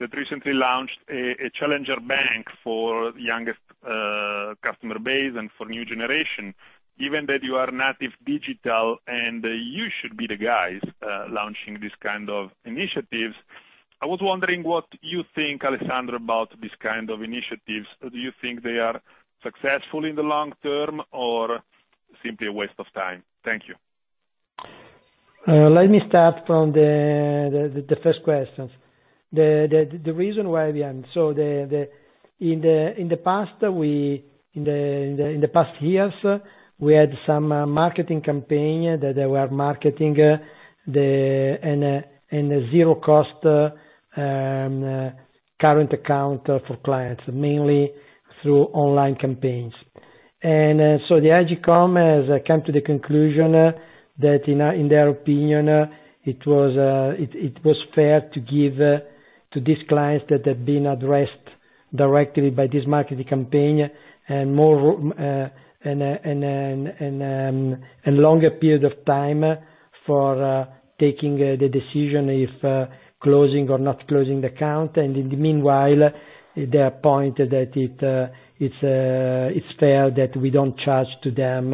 that recently launched a challenger bank for youngest customer base and for new generation. Given that you are native digital and you should be the guys launching this kind of initiatives. I was wondering what you think, Alessandro, about this kind of initiatives. Do you think they are successful in the long term or simply a waste of time? Thank you. Let me start from the first questions. The reason why in the past years, we had some marketing campaign that they were marketing and a zero-cost current account for clients, mainly through online campaigns. The AGCM has come to the conclusion that in their opinion, it was fair to give to these clients that had been addressed directly by this marketing campaign and longer period of time for taking the decision if closing or not closing the account. In the meanwhile, their point that it's fair that we don't charge to them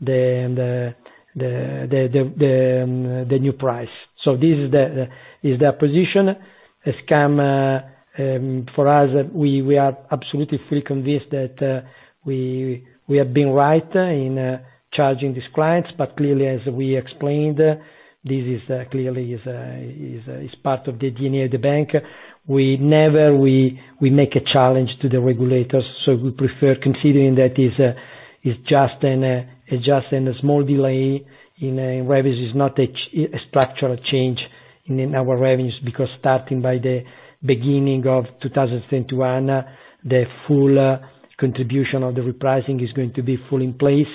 the new price. This is their position. For us, we are absolutely fully convinced that we have been right in charging these clients. Clearly, as we explained, this clearly is part of the DNA of the bank. We never make a challenge to the regulators. We prefer considering that it's just a small delay in revenues, it's not a structural change in our revenues, because starting by the beginning of 2021, the full contribution of the repricing is going to be fully in place.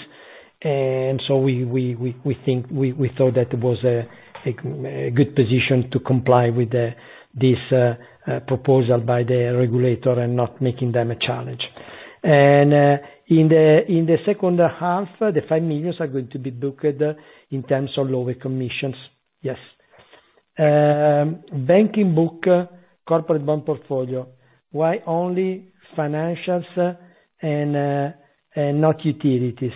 We thought that it was a good position to comply with this proposal by the regulator and not making them a challenge. In the second half, the 5 million are going to be booked in terms of lower commissions. Yes. Banking book, corporate bond portfolio. Why only financials and not utilities?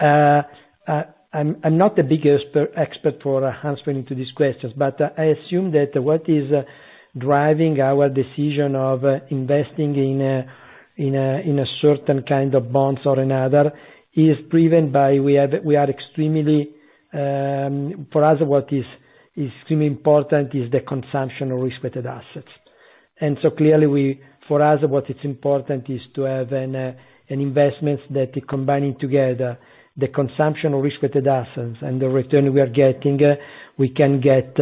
I'm not the biggest expert for answering to these questions, but I assume that what is driving our decision of investing in a certain kind of bonds or another is driven by, for us, what is extremely important is the consumption of risk-weighted assets. Clearly, for us, what it's important is to have an investment that combining together the consumption of risk-weighted assets and the return we are getting, we can get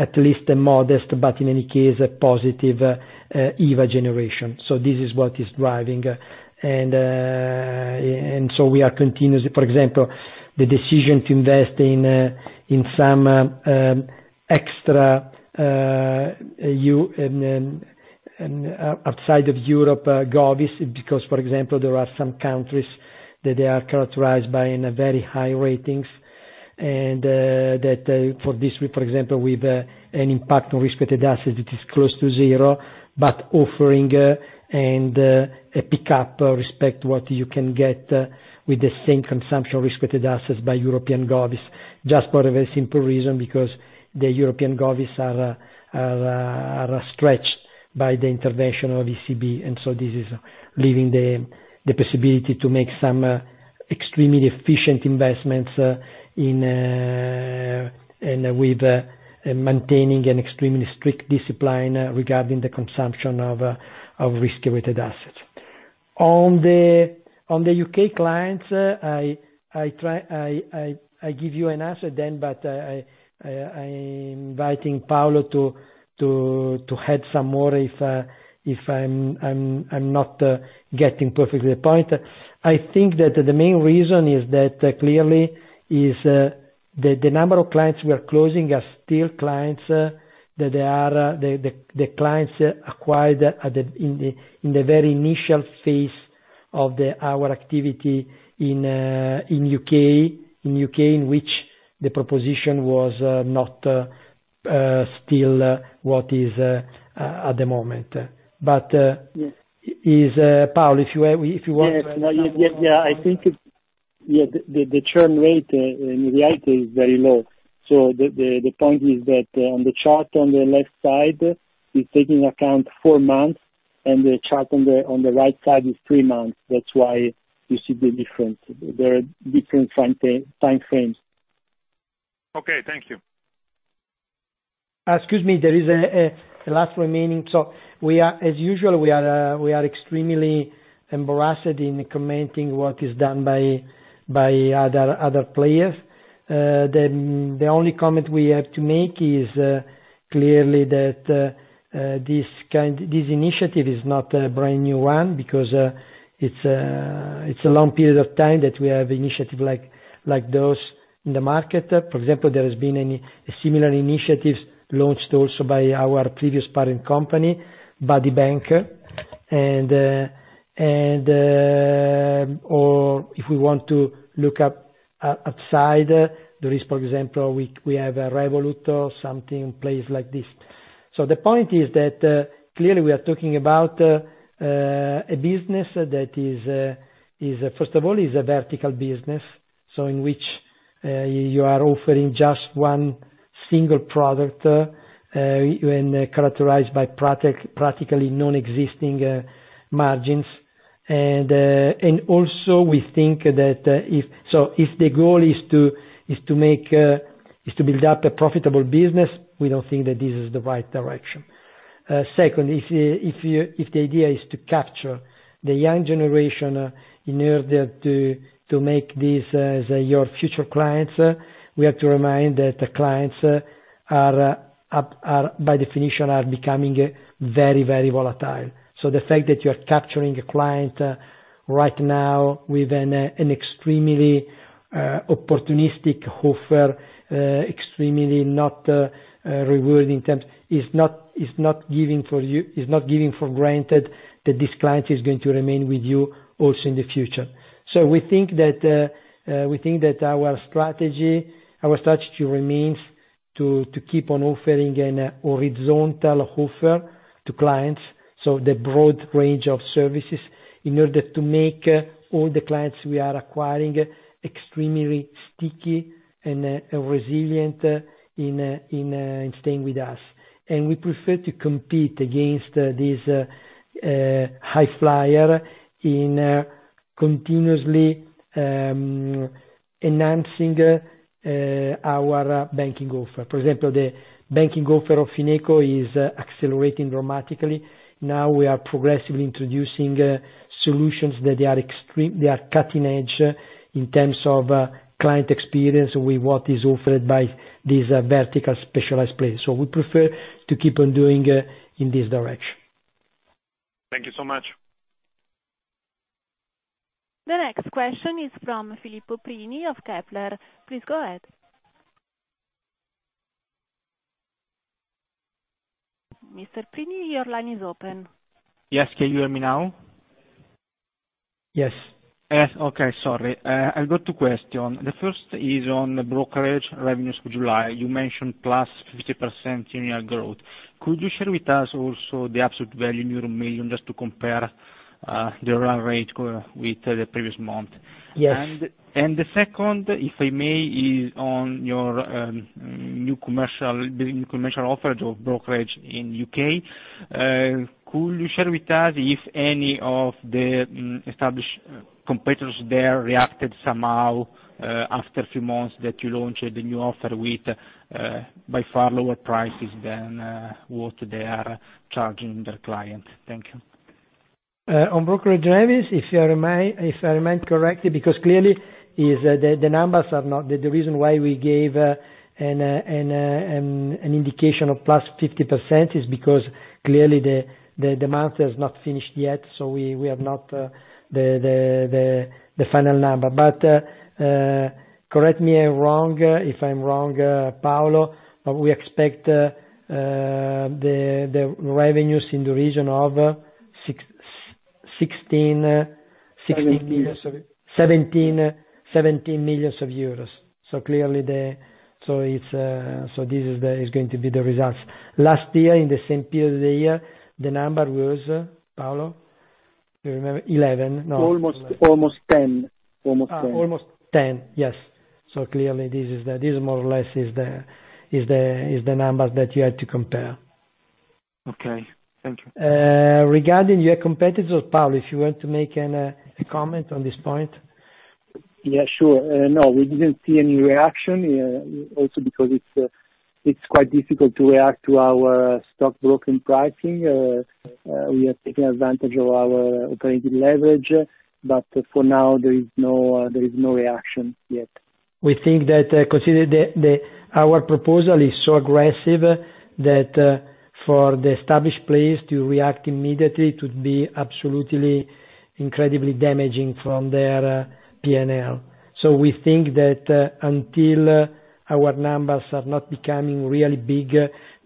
at least a modest, but in any case, a positive EVA generation. This is what is driving. For example, the decision to invest in some extra outside of Europe govies, because, for example, there are some countries that they are characterized by in a very high ratings, and that for this, for example, with an impact on risk-weighted assets, it is close to zero, but offering and a pickup respect what you can get with the same consumption risk-weighted assets by European govies, just for a very simple reason, because the European govies are stretched by the intervention of ECB. This is leaving the possibility to make some extremely efficient investments with maintaining an extremely strict discipline regarding the consumption of risk-weighted assets. On the U.K. clients, I give you an answer then, but I'm inviting Paolo to add some more if I'm not getting perfectly the point. I think that the main reason is that clearly, the number of clients we are closing are still clients that they are the clients acquired in the very initial phase of our activity in U.K., in which the proposition was not still what is at the moment. Paolo, if you want to add. Yeah. I think the churn rate in reality is very low. The point is that on the chart on the left side, it's taking account four months, and the chart on the right side is three months. That's why you see the difference. There are different timeframes. Okay. Thank you. Excuse me, there is a last remaining. As usual, we are extremely embarrassed in commenting what is done by other players. The only comment we have to make is clearly that this initiative is not a brand new one, because it's a long period of time that we have initiatives like those in the market. For example, there has been a similar initiative launched also by our previous parent company, Buddybank. If we want to look up outside the risk, for example, we have Revolut or something, places like this. The point is that, clearly we are talking about a business that first of all, is a vertical business, in which you are offering just one single product, and characterized by practically non-existing margins. Also, we think that if the goal is to build up a profitable business, we don't think that this is the right direction. Second, if the idea is to capture the young generation in order to make this as your future clients, we have to remind that the clients, by definition, are becoming very, very volatile. The fact that you are capturing a client right now with an extremely opportunistic offer, extremely not rewarding in terms, is not giving for granted that this client is going to remain with you also in the future. We think that our strategy remains to keep on offering an horizontal offer to clients, so the broad range of services, in order to make all the clients we are acquiring extremely sticky and resilient in staying with us. We prefer to compete against this high flyer in continuously enhancing our banking offer. For example, the banking offer of Fineco is accelerating dramatically. Now we are progressively introducing solutions that they are extreme, cutting edge in terms of client experience with what is offered by this vertical specialized place. We prefer to keep on doing in this direction. Thank you so much. The next question is from Filippo Prini of Kepler. Please go ahead. Mr. Prini, your line is open. Yes. Can you hear me now? Yes. Yes. Okay. Sorry. I've got two question. The first is on the brokerage revenues for July. You mentioned plus 50% year-on-year growth. Could you share with us also the absolute value in million, just to compare the run rate with the previous month? Yes. The second, if I may, is on your new commercial offer of brokerage in U.K. Could you share with us if any of the established competitors there reacted somehow, after a few months, that you launched the new offer by far lower prices than what they are charging their client? Thank you. On brokerage revenues, if I remember correctly, the reason why we gave an indication of plus 50% is because clearly the month has not finished yet, we have not the final number. Correct me if I'm wrong, Paolo, we expect the revenues in the region of EUR 16- 17 million. 17 million. This is going to be the results. Last year, in the same period of the year, the number was, Paolo, do you remember? 11, no. Almost 10. Almost 10. Yes. Clearly, this is more or less the numbers that you had to compare. Okay. Thank you. Regarding your competitors, Paolo, if you want to make any comment on this point. Yeah, sure. No, we didn't see any reaction, also because it's quite difficult to react to our stockbroking pricing. We are taking advantage of our operating leverage. For now, there is no reaction yet. We think that consider our proposal is so aggressive that, for the established players to react immediately to be absolutely incredibly damaging from their P&L. We think that until our numbers are not becoming really big,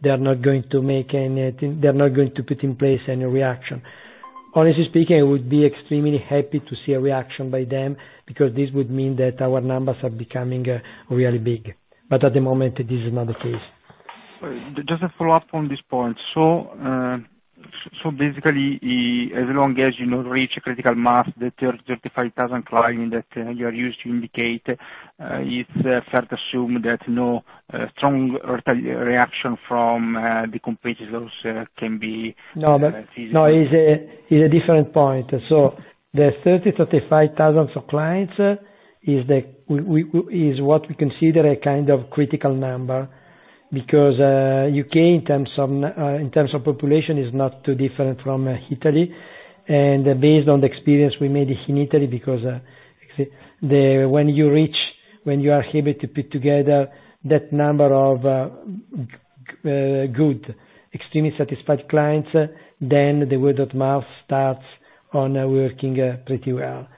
they are not going to put in place any reaction. Honestly speaking, I would be extremely happy to see a reaction by them, because this would mean that our numbers are becoming really big. At the moment, this is not the case. Just a follow-up on this point. Basically, as long as you not reach a critical mass, the 35,000 client that you are used to indicate, it's fair to assume that no strong reaction from the competitors can be visible. No. It's a different point. The 30,000 to 35,000 of clients is what we consider a kind of critical number because, U.K. in terms of population is not too different from Italy. Based on the experience we made in Italy, because when you are able to put together that number of good, extremely satisfied clients, the word of mouth starts on working pretty well.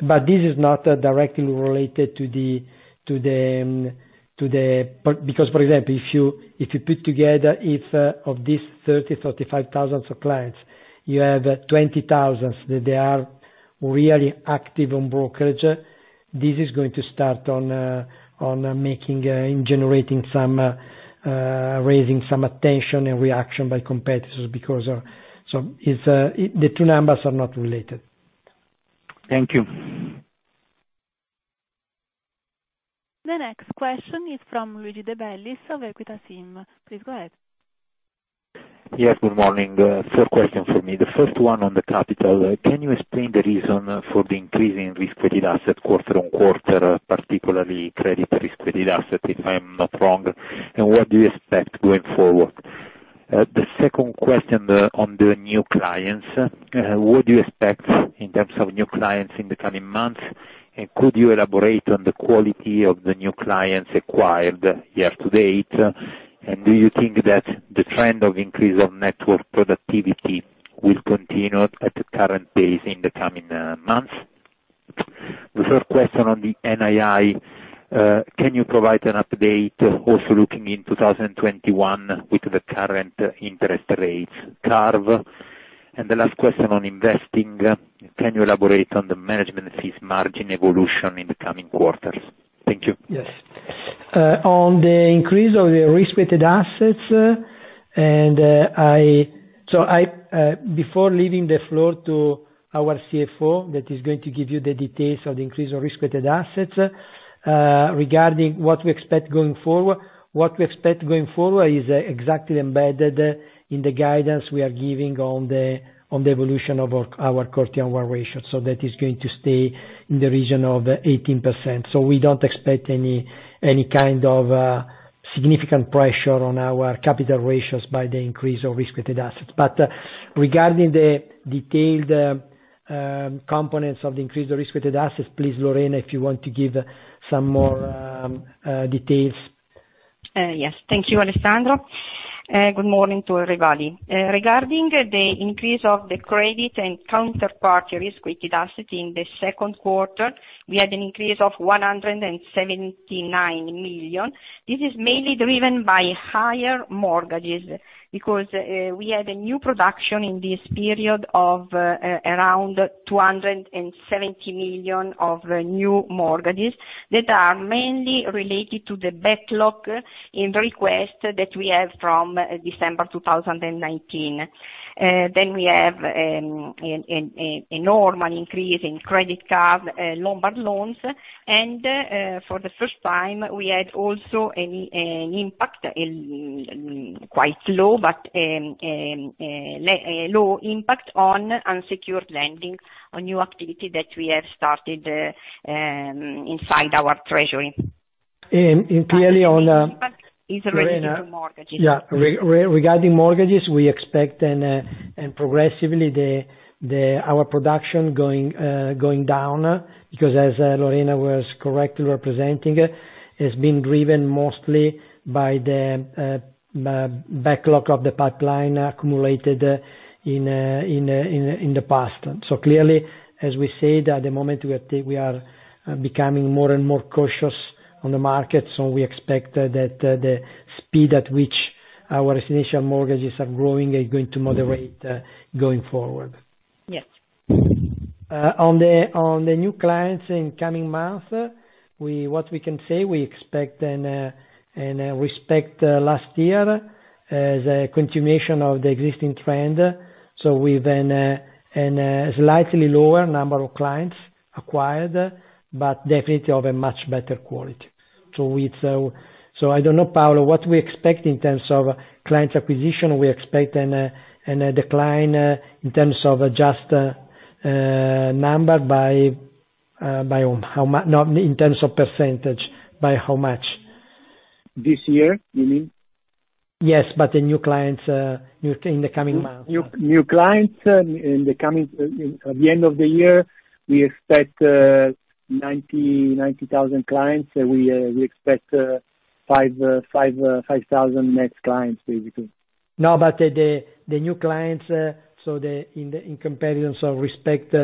This is not directly related to. Because for example, if you put together, if of these 30,000 to 35,000 of clients, you have 20,000 that they are really active on brokerage, this is going to start on making and generating some, raising some attention and reaction by competitors. The two numbers are not related. Thank you. The next question is from Luigi De Bellis of Equita SIM. Please go ahead. Yes, good morning. Two question from me. The first one on the capital. Can you explain the reason for the increase in risk-weighted asset quarter-on-quarter, particularly credit risk-weighted asset, if I'm not wrong, and what do you expect going forward? The second question on the new clients. What do you expect in terms of new clients in the coming months, and could you elaborate on the quality of the new clients acquired year-to-date? Do you think that the trend of increase of network productivity will continue at the current pace in the coming months? The third question on the NII. Can you provide an update, also looking in 2021 with the current interest rates curve? The last question on investing. Can you elaborate on the management fees margin evolution in the coming quarters? Thank you. On the increase of the risk-weighted assets. Before leaving the floor to our CFO, that is going to give you the details of the increase of risk-weighted assets. Regarding what we expect going forward, what we expect going forward is exactly embedded in the guidance we are giving on the evolution of our Core Tier 1 ratio. That is going to stay in the region of 18%. We don't expect any kind of significant pressure on our capital ratios by the increase of risk-weighted assets. Regarding the detailed components of the increased risk-weighted assets, please, Lorena, if you want to give some more details. Yes. Thank you, Alessandro. Good morning to everybody. Regarding the increase of the credit and counterparty risk liquidity in the second quarter, we had an increase of 179 million. This is mainly driven by higher mortgages, because we had a new production in this period of around 270 million of new mortgages that are mainly related to the backlog in the request that we have from December 2019. We have a normal increase in credit card Lombard loans. For the first time, we had also a low impact on unsecured lending, a new activity that we have started inside our treasury. And clearly on- The main impact is related to mortgages. Yeah. Regarding mortgages, we expect and progressively our production going down because as Lorena was correctly representing, it has been driven mostly by the backlog of the pipeline accumulated in the past. Clearly, as we said, at the moment, we are becoming more and more cautious on the market. We expect that the speed at which our residential mortgages are growing are going to moderate going forward. Yes. On the new clients in coming months, what we can say, we expect and respect last year as a continuation of the existing trend. We've a slightly lower number of clients acquired, but definitely of a much better quality. I don't know, Paolo, what we expect in terms of clients acquisition, we expect a decline in terms on % by how much? This year, you mean? Yes, the new clients in the coming months. New clients at the end of the year, we expect 90,000 clients. We expect 5,000 net clients, basically. The new clients, in comparison, respect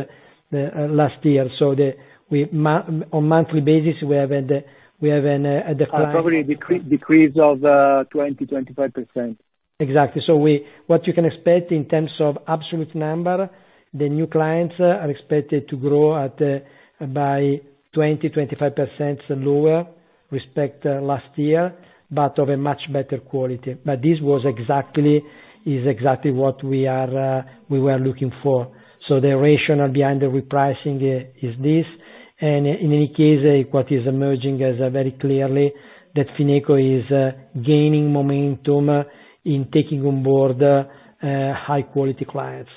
last year. On monthly basis, we have a decline. Probably decrease of 20-25%. Exactly. What you can expect in terms of absolute number, the new clients are expected to grow by 20%-25% lower respect last year, but of a much better quality. This is exactly what we were looking for. The rationale behind the repricing is this. In any case, what is emerging as very clearly that Fineco is gaining momentum in taking on board high quality clients.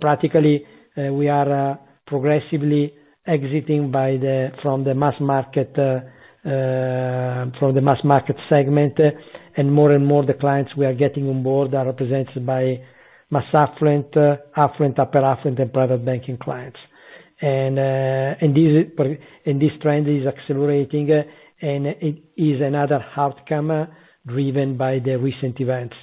Practically, we are progressively exiting from the mass market segment, and more and more the clients we are getting on board are represented by mass affluent, upper affluent, and private banking clients. This trend is accelerating, and it is another outcome driven by the recent events.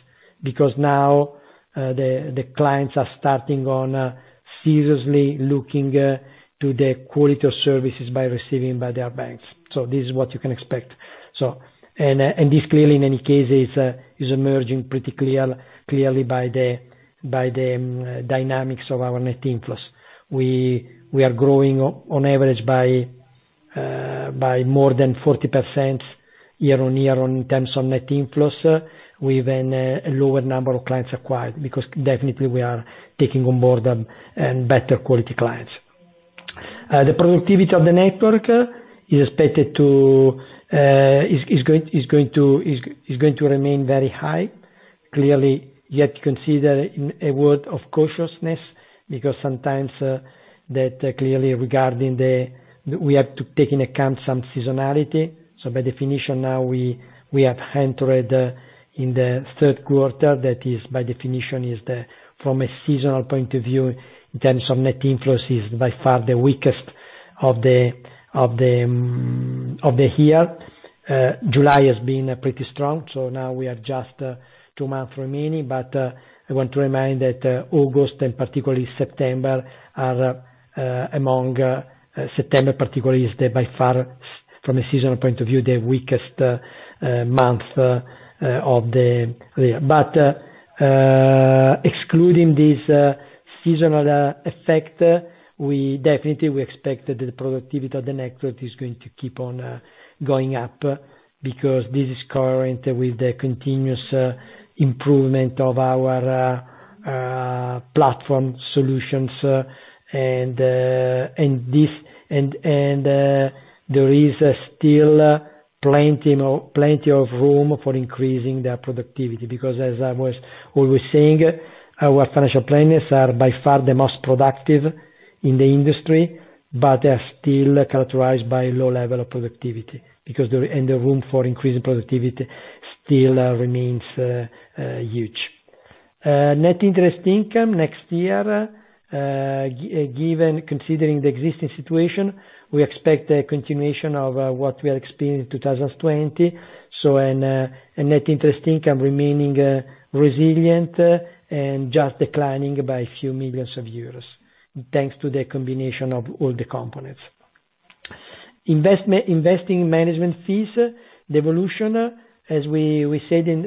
Now, the clients are starting on seriously looking to the quality of services by receiving by their banks. This is what you can expect. This clearly, in any case, is emerging pretty clearly by the dynamics of our net inflows. We are growing on average by more than 40% year-over-year in terms of net inflows, with a lower number of clients acquired, because definitely we are taking on board better quality clients. The productivity of the network is going to remain very high. Clearly, yet consider a word of caution, because sometimes that clearly regarding, we have to take into account some seasonality. By definition now, we have entered in the third quarter, that is by definition from a seasonal point of view, in terms of net inflows, is by far the weakest of the year. July has been pretty strong. Now we have just 2 months remaining. I want to remind that August and particularly September is by far from a seasonal point of view, the weakest month of the year. Excluding this seasonal effect, definitely we expect that the productivity of the network is going to keep on going up because this is consistent with the continuous improvement of our platform solutions. There is still plenty of room for increasing their productivity, because as I was always saying, our financial planners are by far the most productive in the industry, but are still characterized by low level of productivity. The room for increasing productivity still remains huge. Net interest income next year, considering the existing situation, we expect a continuation of what we are experiencing in 2020. A net interest income remaining resilient and just declining by a few million euros, thanks to the combination of all the components. Investing management fees evolution, as we said in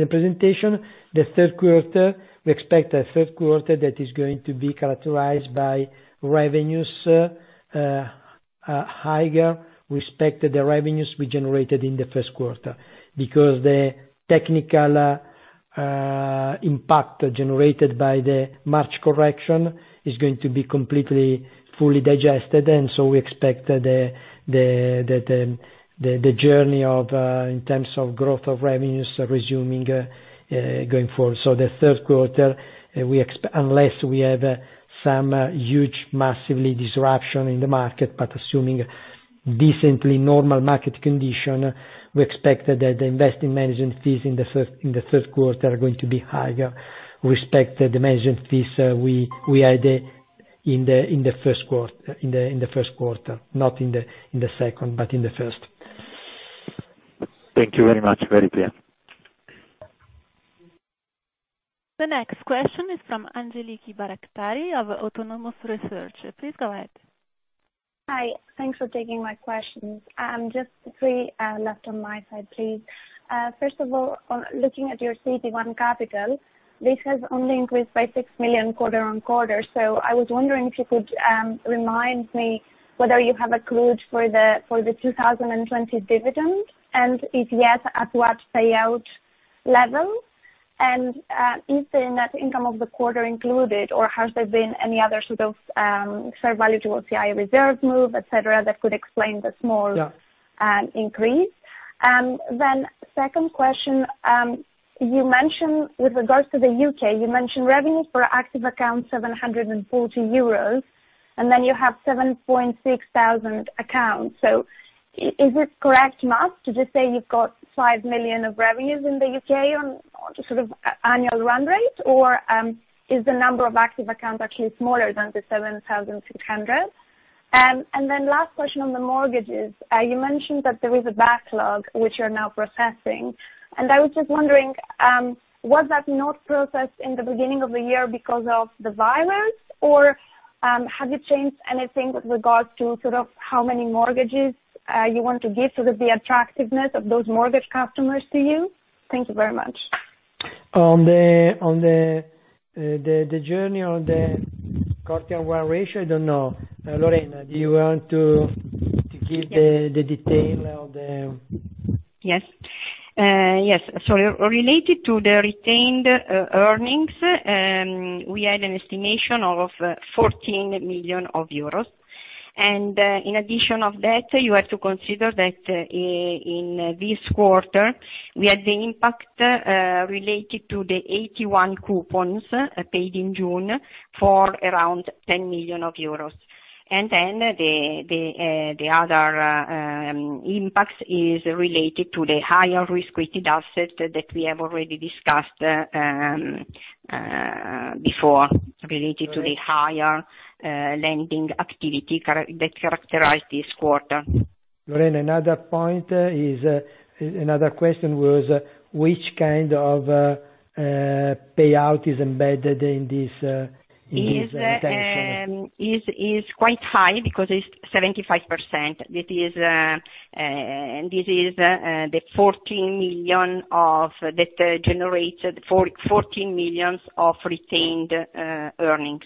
the presentation, the third quarter, we expect a third quarter that is going to be characterized by revenues higher relative to the revenues we generated in the first quarter. The technical impact generated by the March correction is going to be completely fully digested, we expect the journey in terms of growth of revenues resuming going forward. The third quarter, unless we have some huge, massive disruption in the market, but assuming decently normal market condition, we expect that the investing management fees in the third quarter are going to be higher relative to the management fees we had in the first quarter, not in the second, but in the first. Thank you very much. Very clear. The next question is from Angeliki Bairaktari of Autonomous Research. Please go ahead. Hi. Thanks for taking my questions. Just three left on my side, please. First of all, looking at your CET1 capital, this has only increased by 6 million quarter-on-quarter. I was wondering if you could remind me whether you have a clue for the 2020 dividend, and if yes, at what payout level, and is the net income of the quarter included or has there been any other sort of fair value through OCI reserves move, et cetera, that could explain the. Yeah Increase? Second question, with regards to the U.K., you mentioned revenue per active account 740 euros, and then you have 7,600 accounts. Is it correct math to just say you've got 5 million of revenues in the U.K. on annual run rate, or is the number of active accounts actually smaller than the 7,600? Last question on the mortgages. You mentioned that there is a backlog which you're now processing. I was just wondering, was that not processed in the beginning of the year because of the virus or, have you changed anything with regards to how many mortgages you want to give, so the attractiveness of those mortgage customers to you? Thank you very much. On the journey on the quarter run ratio, I don't know. Lorena, do you want to give the detail of the Yes. Related to the retained earnings, we had an estimation of 14 million euros. In addition of that, you have to consider that in this quarter, we had the impact related to the AT1 coupons paid in June for around EUR 10 million. The other impact is related to the higher risk-weighted asset that we have already discussed before, related to the higher lending activity that characterized this quarter. Lorena, another question was, which kind of payout is embedded in this intention? Is quite high because it's 75%. That is the 14 million that generated 14 million of retained earnings.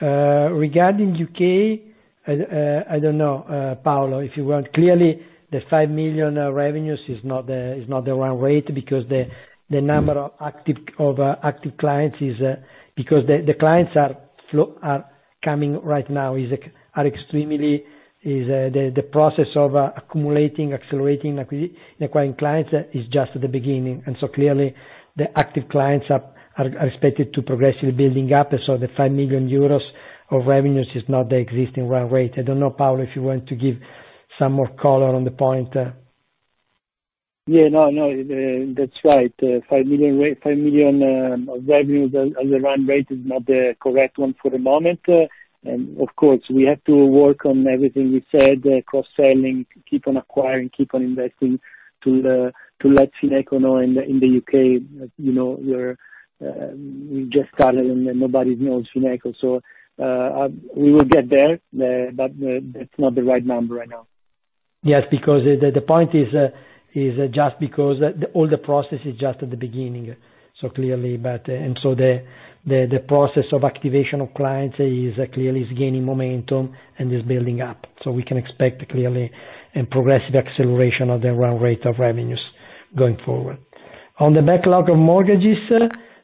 Regarding U.K., I don't know, Paolo, if you want. Clearly, the 5 million revenues is not the run rate because the number of active clients, because the clients are coming right now, the process of accumulating, accelerating, and acquiring clients is just at the beginning. Clearly the active clients are expected to progressively building up. The 5 million euros of revenues is not the existing run rate. I don't know, Paolo, if you want to give some more color on the point. No, that's right. 5 million of revenues as a run rate is not the correct one for the moment. Of course, we have to work on everything we said, cross-selling, keep on acquiring, keep on investing to let Fineco know in the U.K. We've just started and nobody knows Fineco. We will get there, but that's not the right number right now. Yes, because the point is just because all the process is just at the beginning. The process of activation of clients clearly is gaining momentum and is building up. We can expect clearly a progressive acceleration of the run rate of revenues going forward. On the backlog of mortgages,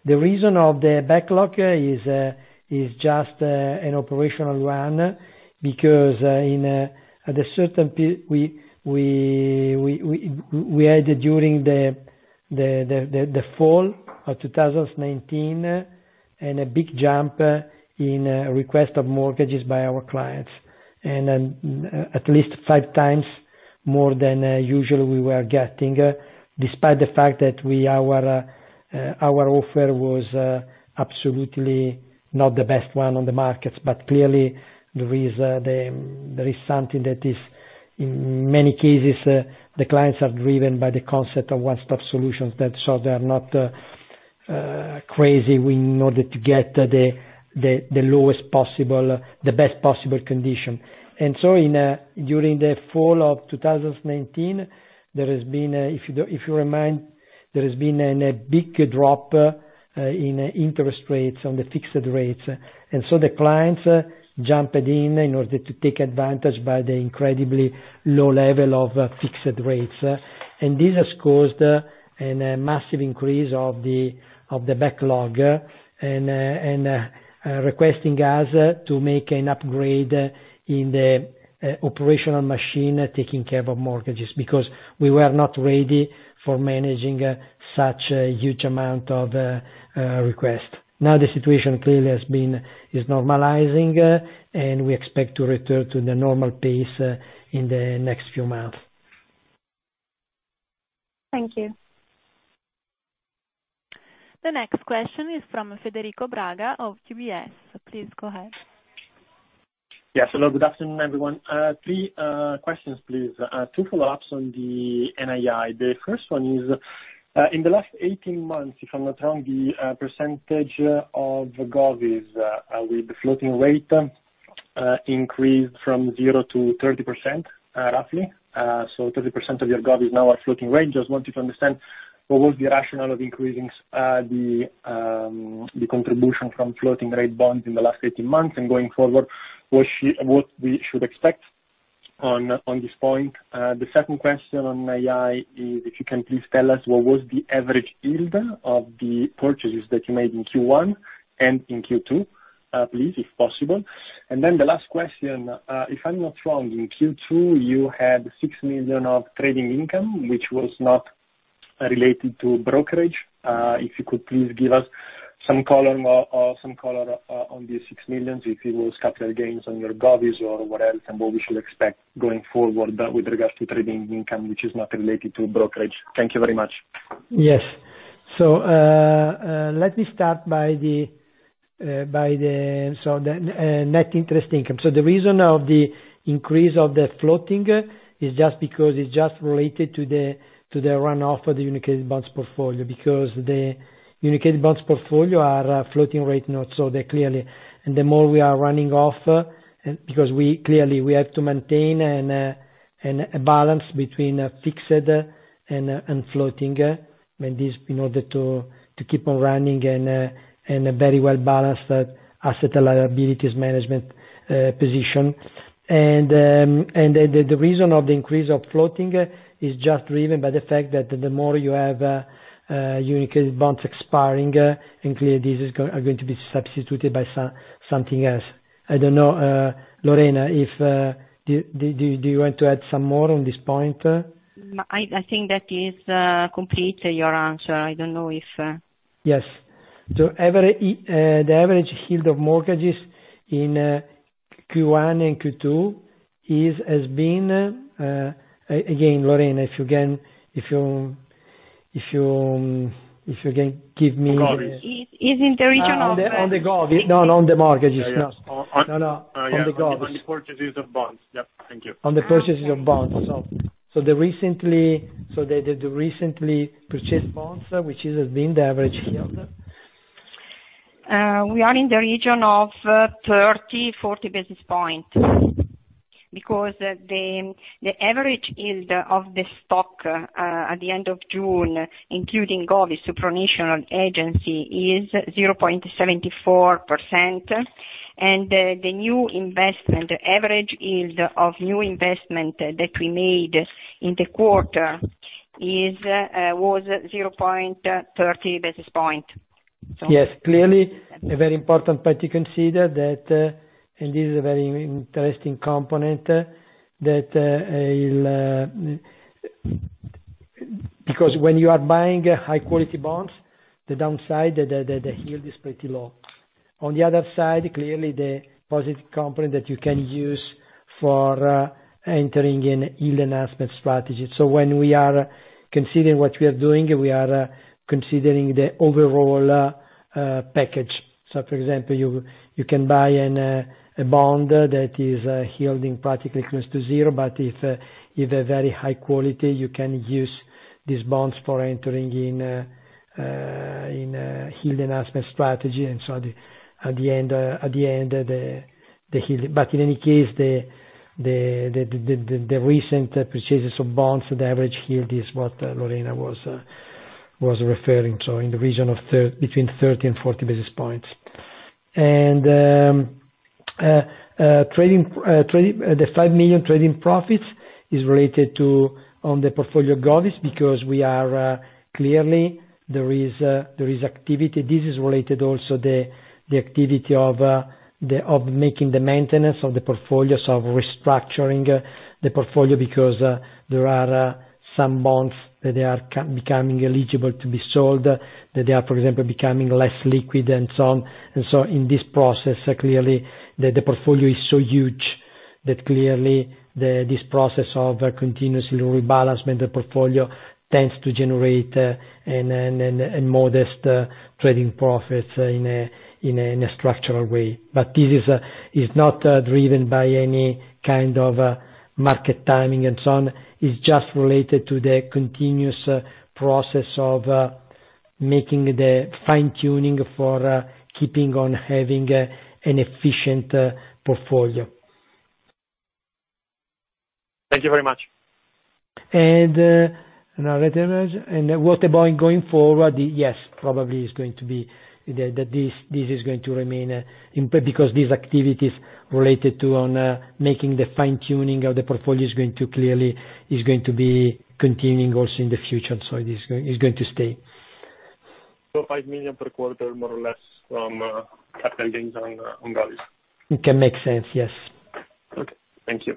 the reason of the backlog is just an operational run because we had during the fall of 2019, a big jump in request of mortgages by our clients, at least five times more than usual we were getting, despite the fact that our offer was absolutely not the best one on the market. Clearly, there is something that is, in many cases, the clients are driven by the concept of one-stop solutions. They are not crazy in order to get the best possible condition. During the fall of 2019, there has been, if you remind, there has been a big drop in interest rates on the fixed rates. The clients jumped in order to take advantage by the incredibly low level of fixed rates. This has caused a massive increase of the backlog, and requesting us to make an upgrade in the operational machine taking care of mortgages, because we were not ready for managing such a huge amount of requests. Now the situation clearly is normalizing, and we expect to return to the normal pace in the next few months. Thank you. The next question is from Federico Braga of UBS. Please go ahead. Yes. Hello, good afternoon, everyone. Three questions, please. Two follow-ups on the NII. The first one is, in the last 18 months, if I'm not wrong, the percentage of govies with the floating rate increased from zero to 30%, roughly. 30% of your govies now at floating rate. Just wanted to understand what was the rationale of increasing the contribution from floating rate bonds in the last 18 months, and going forward, what we should expect on this point. The second question on NII is, if you can please tell us what was the average yield of the purchases that you made in Q1 and in Q2, please, if possible. The last question, if I'm not wrong, in Q2, you had 6 million of trading income, which was not related to brokerage. If you could please give us some color on the 6 million, if it was capital gains on your govies or what else, and what we should expect going forward with regards to trading income which is not related to brokerage. Thank you very much. Yes. Let me start by the net interest income. The reason of the increase of the floating is just because it's just related to the runoff of the syndicated bonds portfolio, because the syndicated bonds portfolio are floating rate notes. The more we are running off, because clearly, we have to maintain a balance between fixed and floating in order to keep on running a very well-balanced asset liabilities management position. The reason of the increase of floating is just driven by the fact that the more you have syndicated bonds expiring, and clearly, these are going to be substituted by something else. I don't know, Lorena, do you want to add some more on this point? I think that is complete, your answer. I don't know if. Yes. The average yield of mortgages in Q1 and Q2 has been Again, Lorena, if you can give me- Is in the region of- On the govies, not on the mortgages. No, no. On the govies. On the purchases of bonds. Yep. Thank you. On the purchases of bonds. The recently purchased bonds, which has been the average yield. We are in the region of 30-40 basis points, because the average yield of the stock at the end of June, including govies, supranational agency is 0.74%. The new investment, average yield of new investment that we made in the quarter was 0.30 basis point. Yes, clearly, a very important part to consider, and this is a very interesting component. When you are buying high quality bonds, the downside, the yield is pretty low. On the other side, clearly, the positive component that you can use for entering in yield enhancement strategy. When we are considering what we are doing, we are considering the overall package. For example, you can buy a bond that is yielding practically close to zero, but if a very high quality, you can use these bonds for entering in yield enhancement strategy. In any case, the recent purchases of bonds, the average yield is what Lorena was referring to, in the region between 30 and 40 basis points. The 5 million trading profits is related to on the portfolio govies, because we are clearly, there is activity. This is related also the activity of making the maintenance of the portfolio. Restructuring the portfolio, because there are some bonds that they are becoming eligible to be sold, that they are, for example, becoming less liquid and so on. In this process, clearly, the portfolio is so huge that clearly this process of continuously rebalance when the portfolio tends to generate a modest trading profit in a structural way. This is not driven by any kind of market timing and so on. It's just related to the continuous process of making the fine-tuning for keeping on having an efficient portfolio. Thank you very much. What about going forward? Yes, probably this is going to remain, because these activities related to on making the fine-tuning of the portfolio is going to be continuing also in the future. It's going to stay. 5 million per quarter, more or less, from capital gains on govies. It can make sense, yes. Okay. Thank you